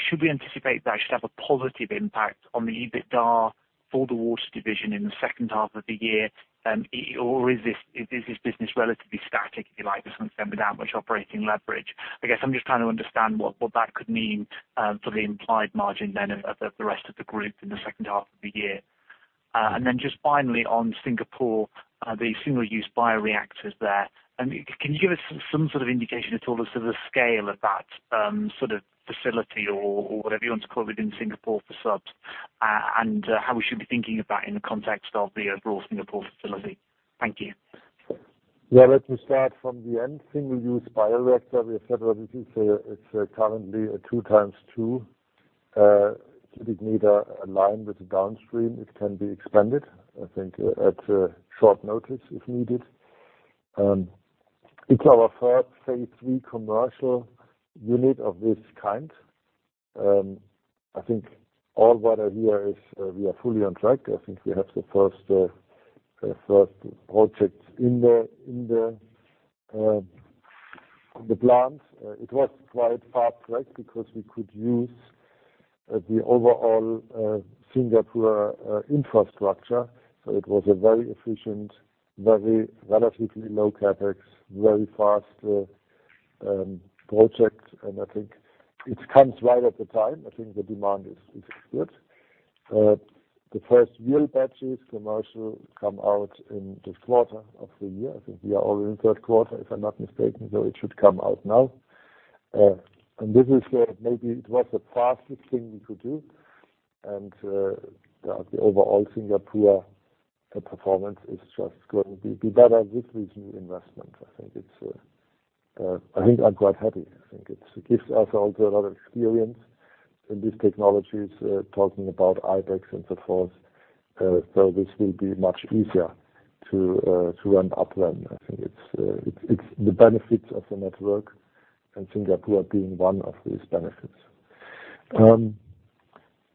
should we anticipate that it should have a positive impact on the EBITDA for the water division in the second half of the year? Or is this business relatively static, if you like, or something without much operating leverage? I guess I'm just trying to understand what that could mean for the implied margin then of the rest of the group in the second half of the year. Just finally on Singapore, the single-use bioreactors there. Can you give us some sort of indication at all as to the scale of that sort of facility or whatever you want to call it in Singapore for subs, and how we should be thinking of that in the context of the overall Singapore facility? Thank you. Yeah, let me start from the end. Single-use bioreactor, we have said already it's currently a two times two. We need a line with the downstream. It can be expanded, I think, at short notice if needed. It's our third phase III commercial unit of this kind. I think all what I hear is we are fully on track. I think we have the first project in the plant. It was quite fast because we could use the overall Singapore infrastructure. It was a very efficient, very relatively low CapEx, very fast project, and I think it comes right at the time. I think the demand is good. The first real batches commercial come out in this quarter of the year. I think we are already in third quarter, if I'm not mistaken, so it should come out now. This is where maybe it was the fastest thing we could do. The overall Singapore performance is just going to be better with this new investment. I think I'm quite happy. I think it gives us also a lot of experience in these technologies, talking about Ibex and so forth. This will be much easier to run up then. I think it's the benefits of the network and Singapore being one of these benefits.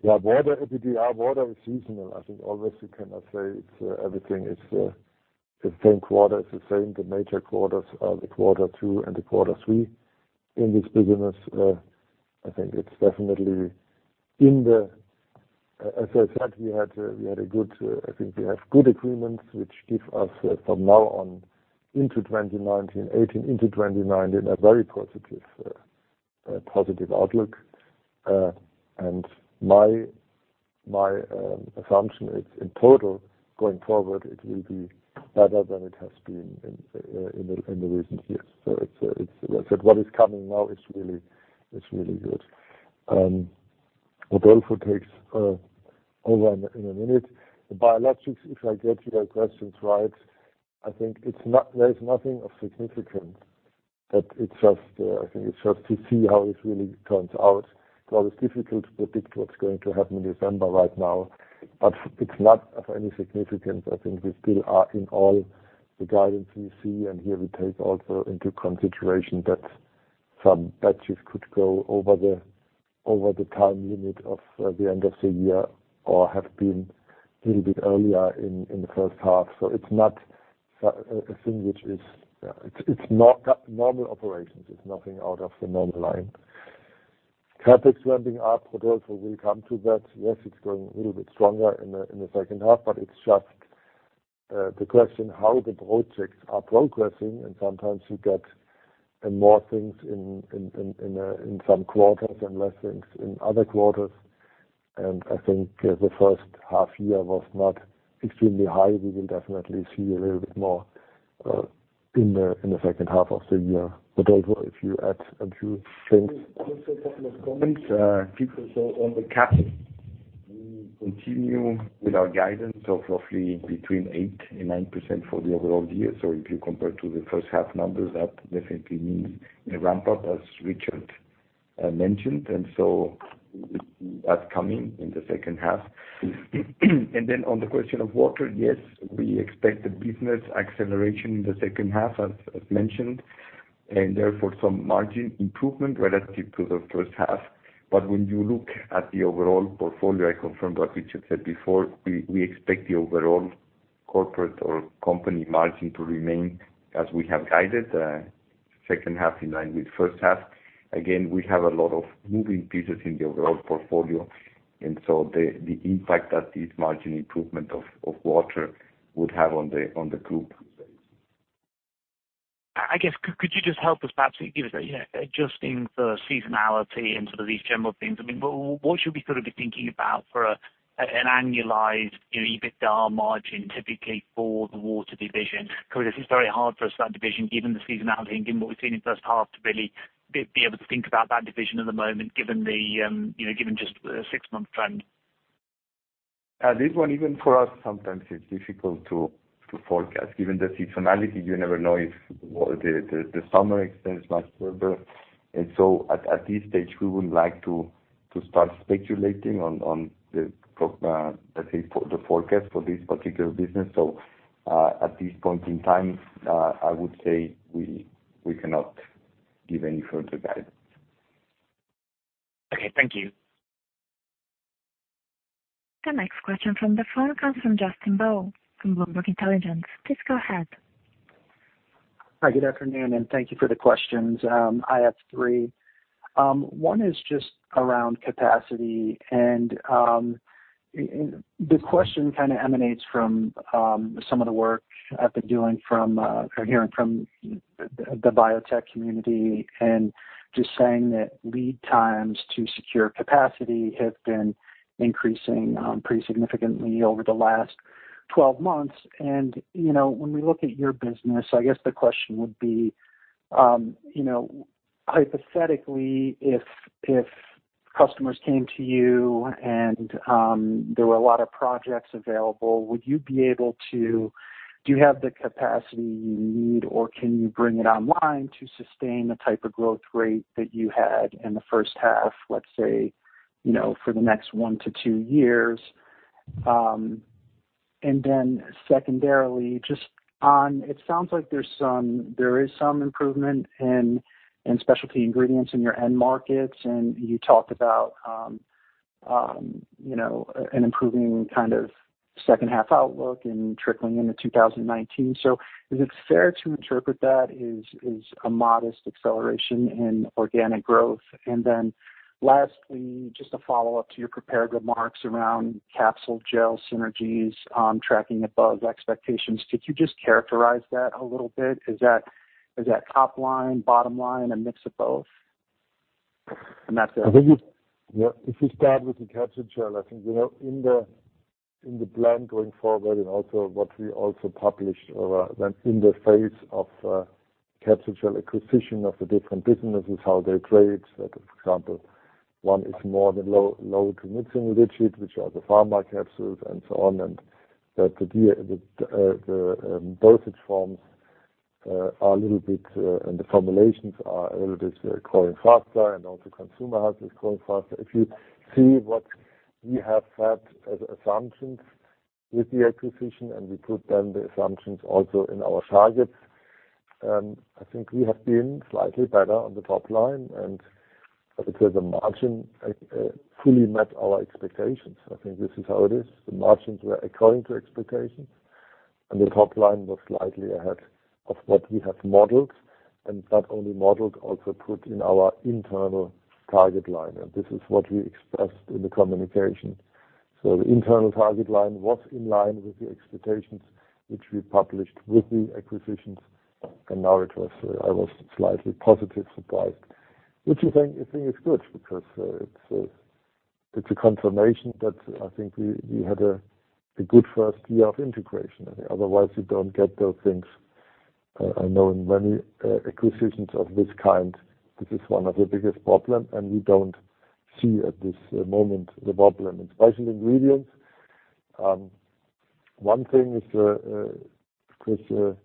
Yeah, Water EBITDA. Water is seasonal. I think always you cannot say everything is the same quarter. It's the same. The major quarters are the quarter two and the quarter three in this business. As I said, I think we have good agreements which give us from now on into 2019, 2018 into 2019, a very positive outlook. My assumption is in total, going forward, it will be better than it has been in the recent years. What I said, what is coming now is really good. Rodolfo takes over in a minute. The biologics, if I get your questions right, I think there is nothing of significance. I think it's just to see how it really turns out. It's always difficult to predict what's going to happen in November right now, it's not of any significance. I think we still are in all the guidance we see. Here we take also into consideration that some batches could go over the time limit of the end of the year or have been a little bit earlier in the first half. It's not a thing. It's normal operations. It's nothing out of the normal line. CapEx ramping up, Rodolfo will come to that. It's going a little bit stronger in the second half, it's just the question how the projects are progressing, and sometimes you get more things in some quarters and less things in other quarters. I think the first half year was not extremely high. We will definitely see a little bit more in the second half of the year. Rodolfo, if you add a few things. Just a couple of comments. Peter, on the CapEx, we continue with our guidance of roughly between 8% and 9% for the overall year. If you compare to the first half numbers, that definitely means a ramp-up, as Richard mentioned. That's coming in the second half. Then on the question of Water, we expect the business acceleration in the second half, as mentioned, and therefore some margin improvement relative to the first half. When you look at the overall portfolio, I confirm what Richard said before, we expect the overall corporate or company margin to remain as we have guided, second half in line with first half. We have a lot of moving pieces in the overall portfolio, the impact that this margin improvement of Water would have on the group. I guess could you just help us perhaps give us, adjusting for seasonality and sort of these general things, what should we sort of be thinking about for an annualized EBITDA margin typically for the Water division? Because this is very hard for us, that division, given the seasonality and given what we've seen in first half to really be able to think about that division at the moment, given just the six-month trend. This one, even for us, sometimes it's difficult to forecast. Given the seasonality, you never know if the summer extends much further. At this stage, we wouldn't like to start speculating on the forecast for this particular business. At this point in time, I would say we cannot give any further guidance. Okay. Thank you. The next question from the phone comes from Justin Bo from Bloomberg Intelligence. Please go ahead. Hi, good afternoon, and thank you for the questions. I have three. One is just around capacity, and the question kind of emanates from some of the work I've been doing from, or hearing from the biotech community, and just saying that lead times to secure capacity have been increasing pretty significantly over the last 12 months. When we look at your business, I guess the question would be, hypothetically, if customers came to you and there were a lot of projects available, do you have the capacity you need, or can you bring it online to sustain the type of growth rate that you had in the first half, let's say, for the next one to two years? Secondarily, it sounds like there is some improvement in Specialty Ingredients in your end markets, and you talked about an improving kind of second half outlook and trickling into 2019. Is it fair to interpret that as a modest acceleration in organic growth? Lastly, just a follow-up to your prepared remarks around Capsugel synergies tracking above expectations. Could you just characterize that a little bit? Is that top line, bottom line, a mix of both? I think if you start with the Capsugel, I think in the plan going forward and also what we also published in the phase of Capsugel acquisition of the different businesses, how they trade. For example, one is more the low-transmitting rigid, which are the pharma capsules and so on, and the dosage forms are a little bit, and the formulations are a little bit growing faster, and also Consumer Health is growing faster. If you see what we have had as assumptions with the acquisition, and we put then the assumptions also in our targets, I think we have been slightly better on the top line and because the margin fully met our expectations, I think this is how it is. The margins were according to expectation, and the top line was slightly ahead of what we have modeled. Not only modeled, also put in our internal target line. This is what we expressed in the communication. The internal target line was in line with the expectations, which we published with the acquisitions, and now I was slightly positive surprised. Which I think is good because it's a confirmation that I think we had a good first year of integration. Otherwise, you don't get those things. I know in many acquisitions of this kind, this is one of the biggest problem, and we don't see at this moment the problem in Specialty Ingredients. One thing is, of course,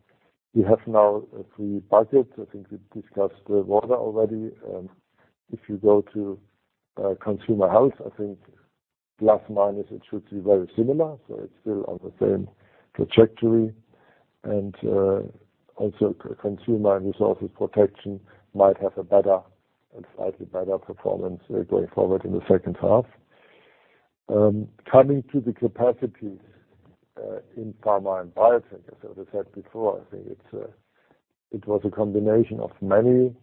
we have now three buckets. I think we discussed water already. If you go to Consumer Health, I think plus, minus, it should be very similar. It's still on the same trajectory. Also Consumer & Resources Protection might have a better and slightly better performance going forward in the second half. Coming to the capacities in Pharma & Biotech, as I said before, I think it was a combination of many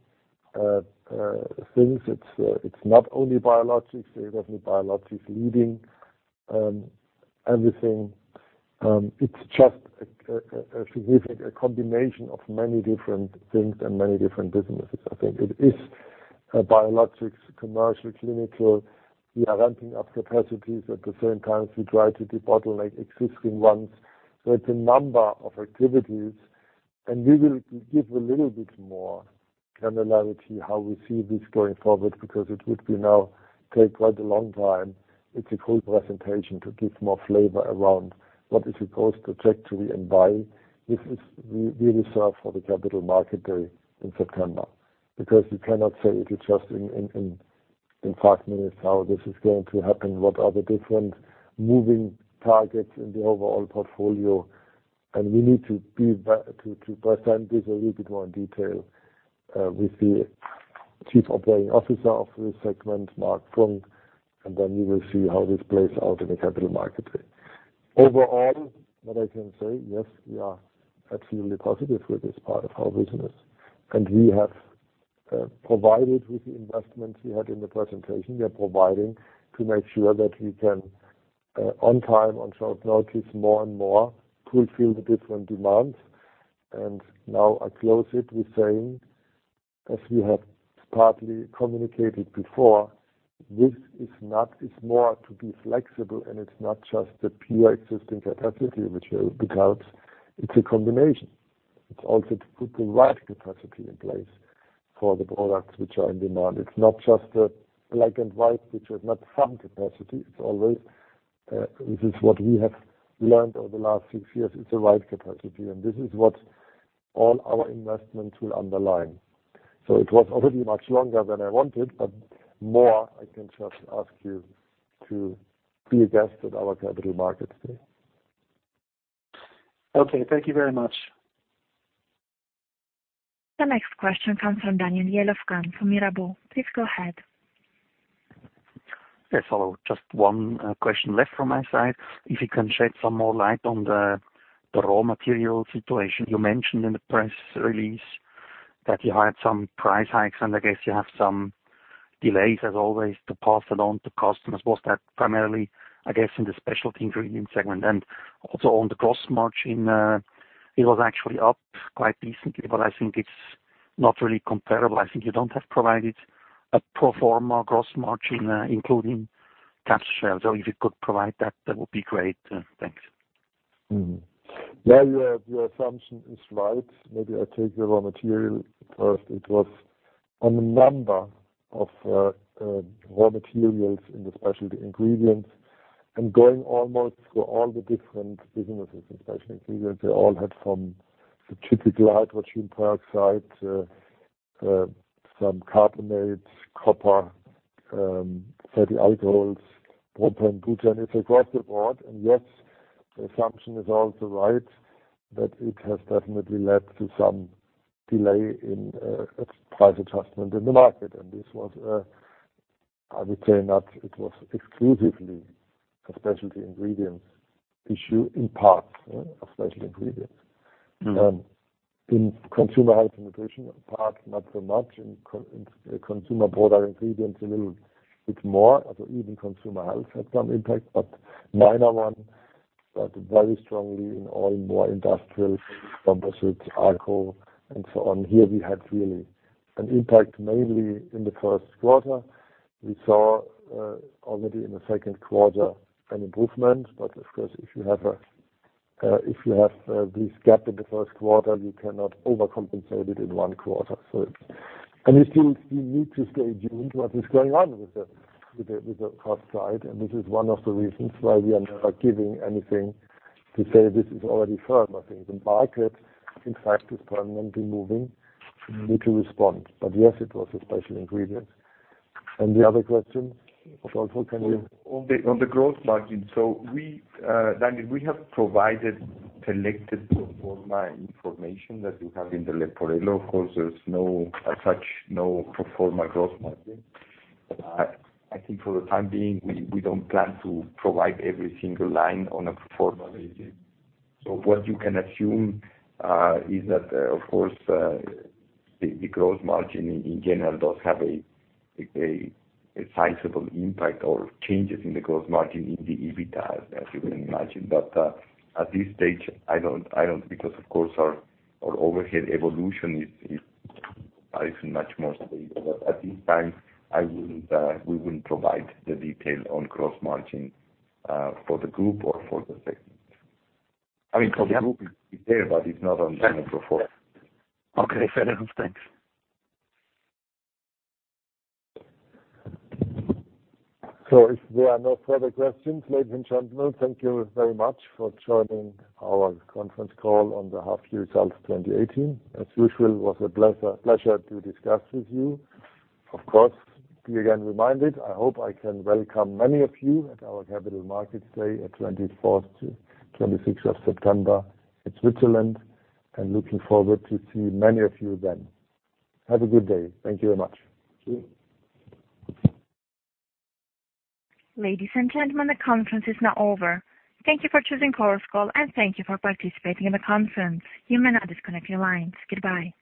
things. It's not only biologics. It wasn't biologics leading everything. It's just a significant combination of many different things and many different businesses. I think it is a biologics commercial, clinical. We are ramping up capacities. At the same time, we try to debottleneck existing ones. It's a number of activities, and we will give a little bit more granularity how we see this going forward, because it would now take quite a long time. It's a full presentation to give more flavor around what is the growth trajectory and by. This we reserve for the Capital Markets Day in September. We cannot say it is just in five minutes how this is going to happen, what are the different moving targets in the overall portfolio. We need to present this a little bit more in detail with the Chief Operating Officer of this segment, Marc Funk, then you will see how this plays out in the Capital Markets Day. Overall, what I can say, yes, we are absolutely positive with this part of our business, and we have provided with the investments we had in the presentation, we are providing to make sure that we can, on time, on short notice, more and more fulfill the different demands. Now I close it with saying, as we have partly communicated before, this is more to be flexible, and it's not just the pure existing capacity, because it's a combination. It's also to put the right capacity in place for the products which are in demand. It's not just a black and white, which is not some capacity. This is what we have learned over the last 6 years. It's the right capacity. This is what all our investments will underline. It was already much longer than I wanted. More I can just ask you to be a guest at our Capital Markets Day. Okay. Thank you very much. The next question comes from Daniel Jelovcan from Mirabaud. Please go ahead. Yes. Hello. Just one question left from my side. If you can shed some more light on the raw material situation. You mentioned in the press release that you had some price hikes. I guess you have some delays, as always, to pass along to customers. Was that primarily, I guess, in the Specialty Ingredients segment? Also on the gross margin, it was actually up quite decently. I think it's not really comparable. I think you don't have provided a pro forma gross margin, including Capsugel. If you could provide that would be great. Thanks. Yeah, your assumption is right. Maybe I take the raw material first. It was on a number of raw materials in the Specialty Ingredients and going almost through all the different businesses in Specialty Ingredients. They all had from the typical hydrogen peroxide, some carbonates, copper, fatty alcohols, propane, butane. It is across the board. Yes, the assumption is also right that it has definitely led to some delay in price adjustment in the market. This was, I would say not, it was exclusively a Specialty Ingredients issue, in parts of Specialty Ingredients. In Consumer Health and nutrition part, not so much. In consumer product ingredients, a little bit more. So even Consumer Health had some impact, but minor one. Very strongly in oil and more industrial composites, Alco, and so on. Here we had really an impact mainly in the first quarter. We saw already in the second quarter an improvement. Of course, if you have this gap in the first quarter, we cannot overcompensate it in one quarter. We still need to stay tuned to what is going on with the cost side, and this is one of the reasons why we are never giving anything to say this is already firm. I think the market, in fact, is permanently moving. We need to respond. Yes, it was a Specialty Ingredients. The other question, Ulf, can you On the gross margin. We have provided selected pro forma information that we have in the Leporello. Of course, there is no pro forma gross margin. I think for the time being, we don't plan to provide every single line on a pro forma basis. What you can assume is that, of course, the gross margin in general does have a sizable impact or changes in the gross margin in the EBITDA, as you can imagine. At this stage, I don't, because, of course, our overhead evolution is much more stable. At this time we wouldn't provide the detail on gross margin for the group or for the segment. I mean, for the group it is there, but it is not on pro forma. Okay, fair enough. Thanks. If there are no further questions, ladies and gentlemen, thank you very much for joining our conference call on the half-year results 2018. As usual, it was a pleasure to discuss with you. Of course, be again reminded, I hope I can welcome many of you at our Capital Markets Day at 24th to 26th of September. It is Switzerland, and looking forward to see many of you then. Have a good day. Thank you very much. Thank you. Ladies and gentlemen, the conference is now over. Thank you for choosing Chorus Call, and thank you for participating in the conference. You may now disconnect your lines. Goodbye.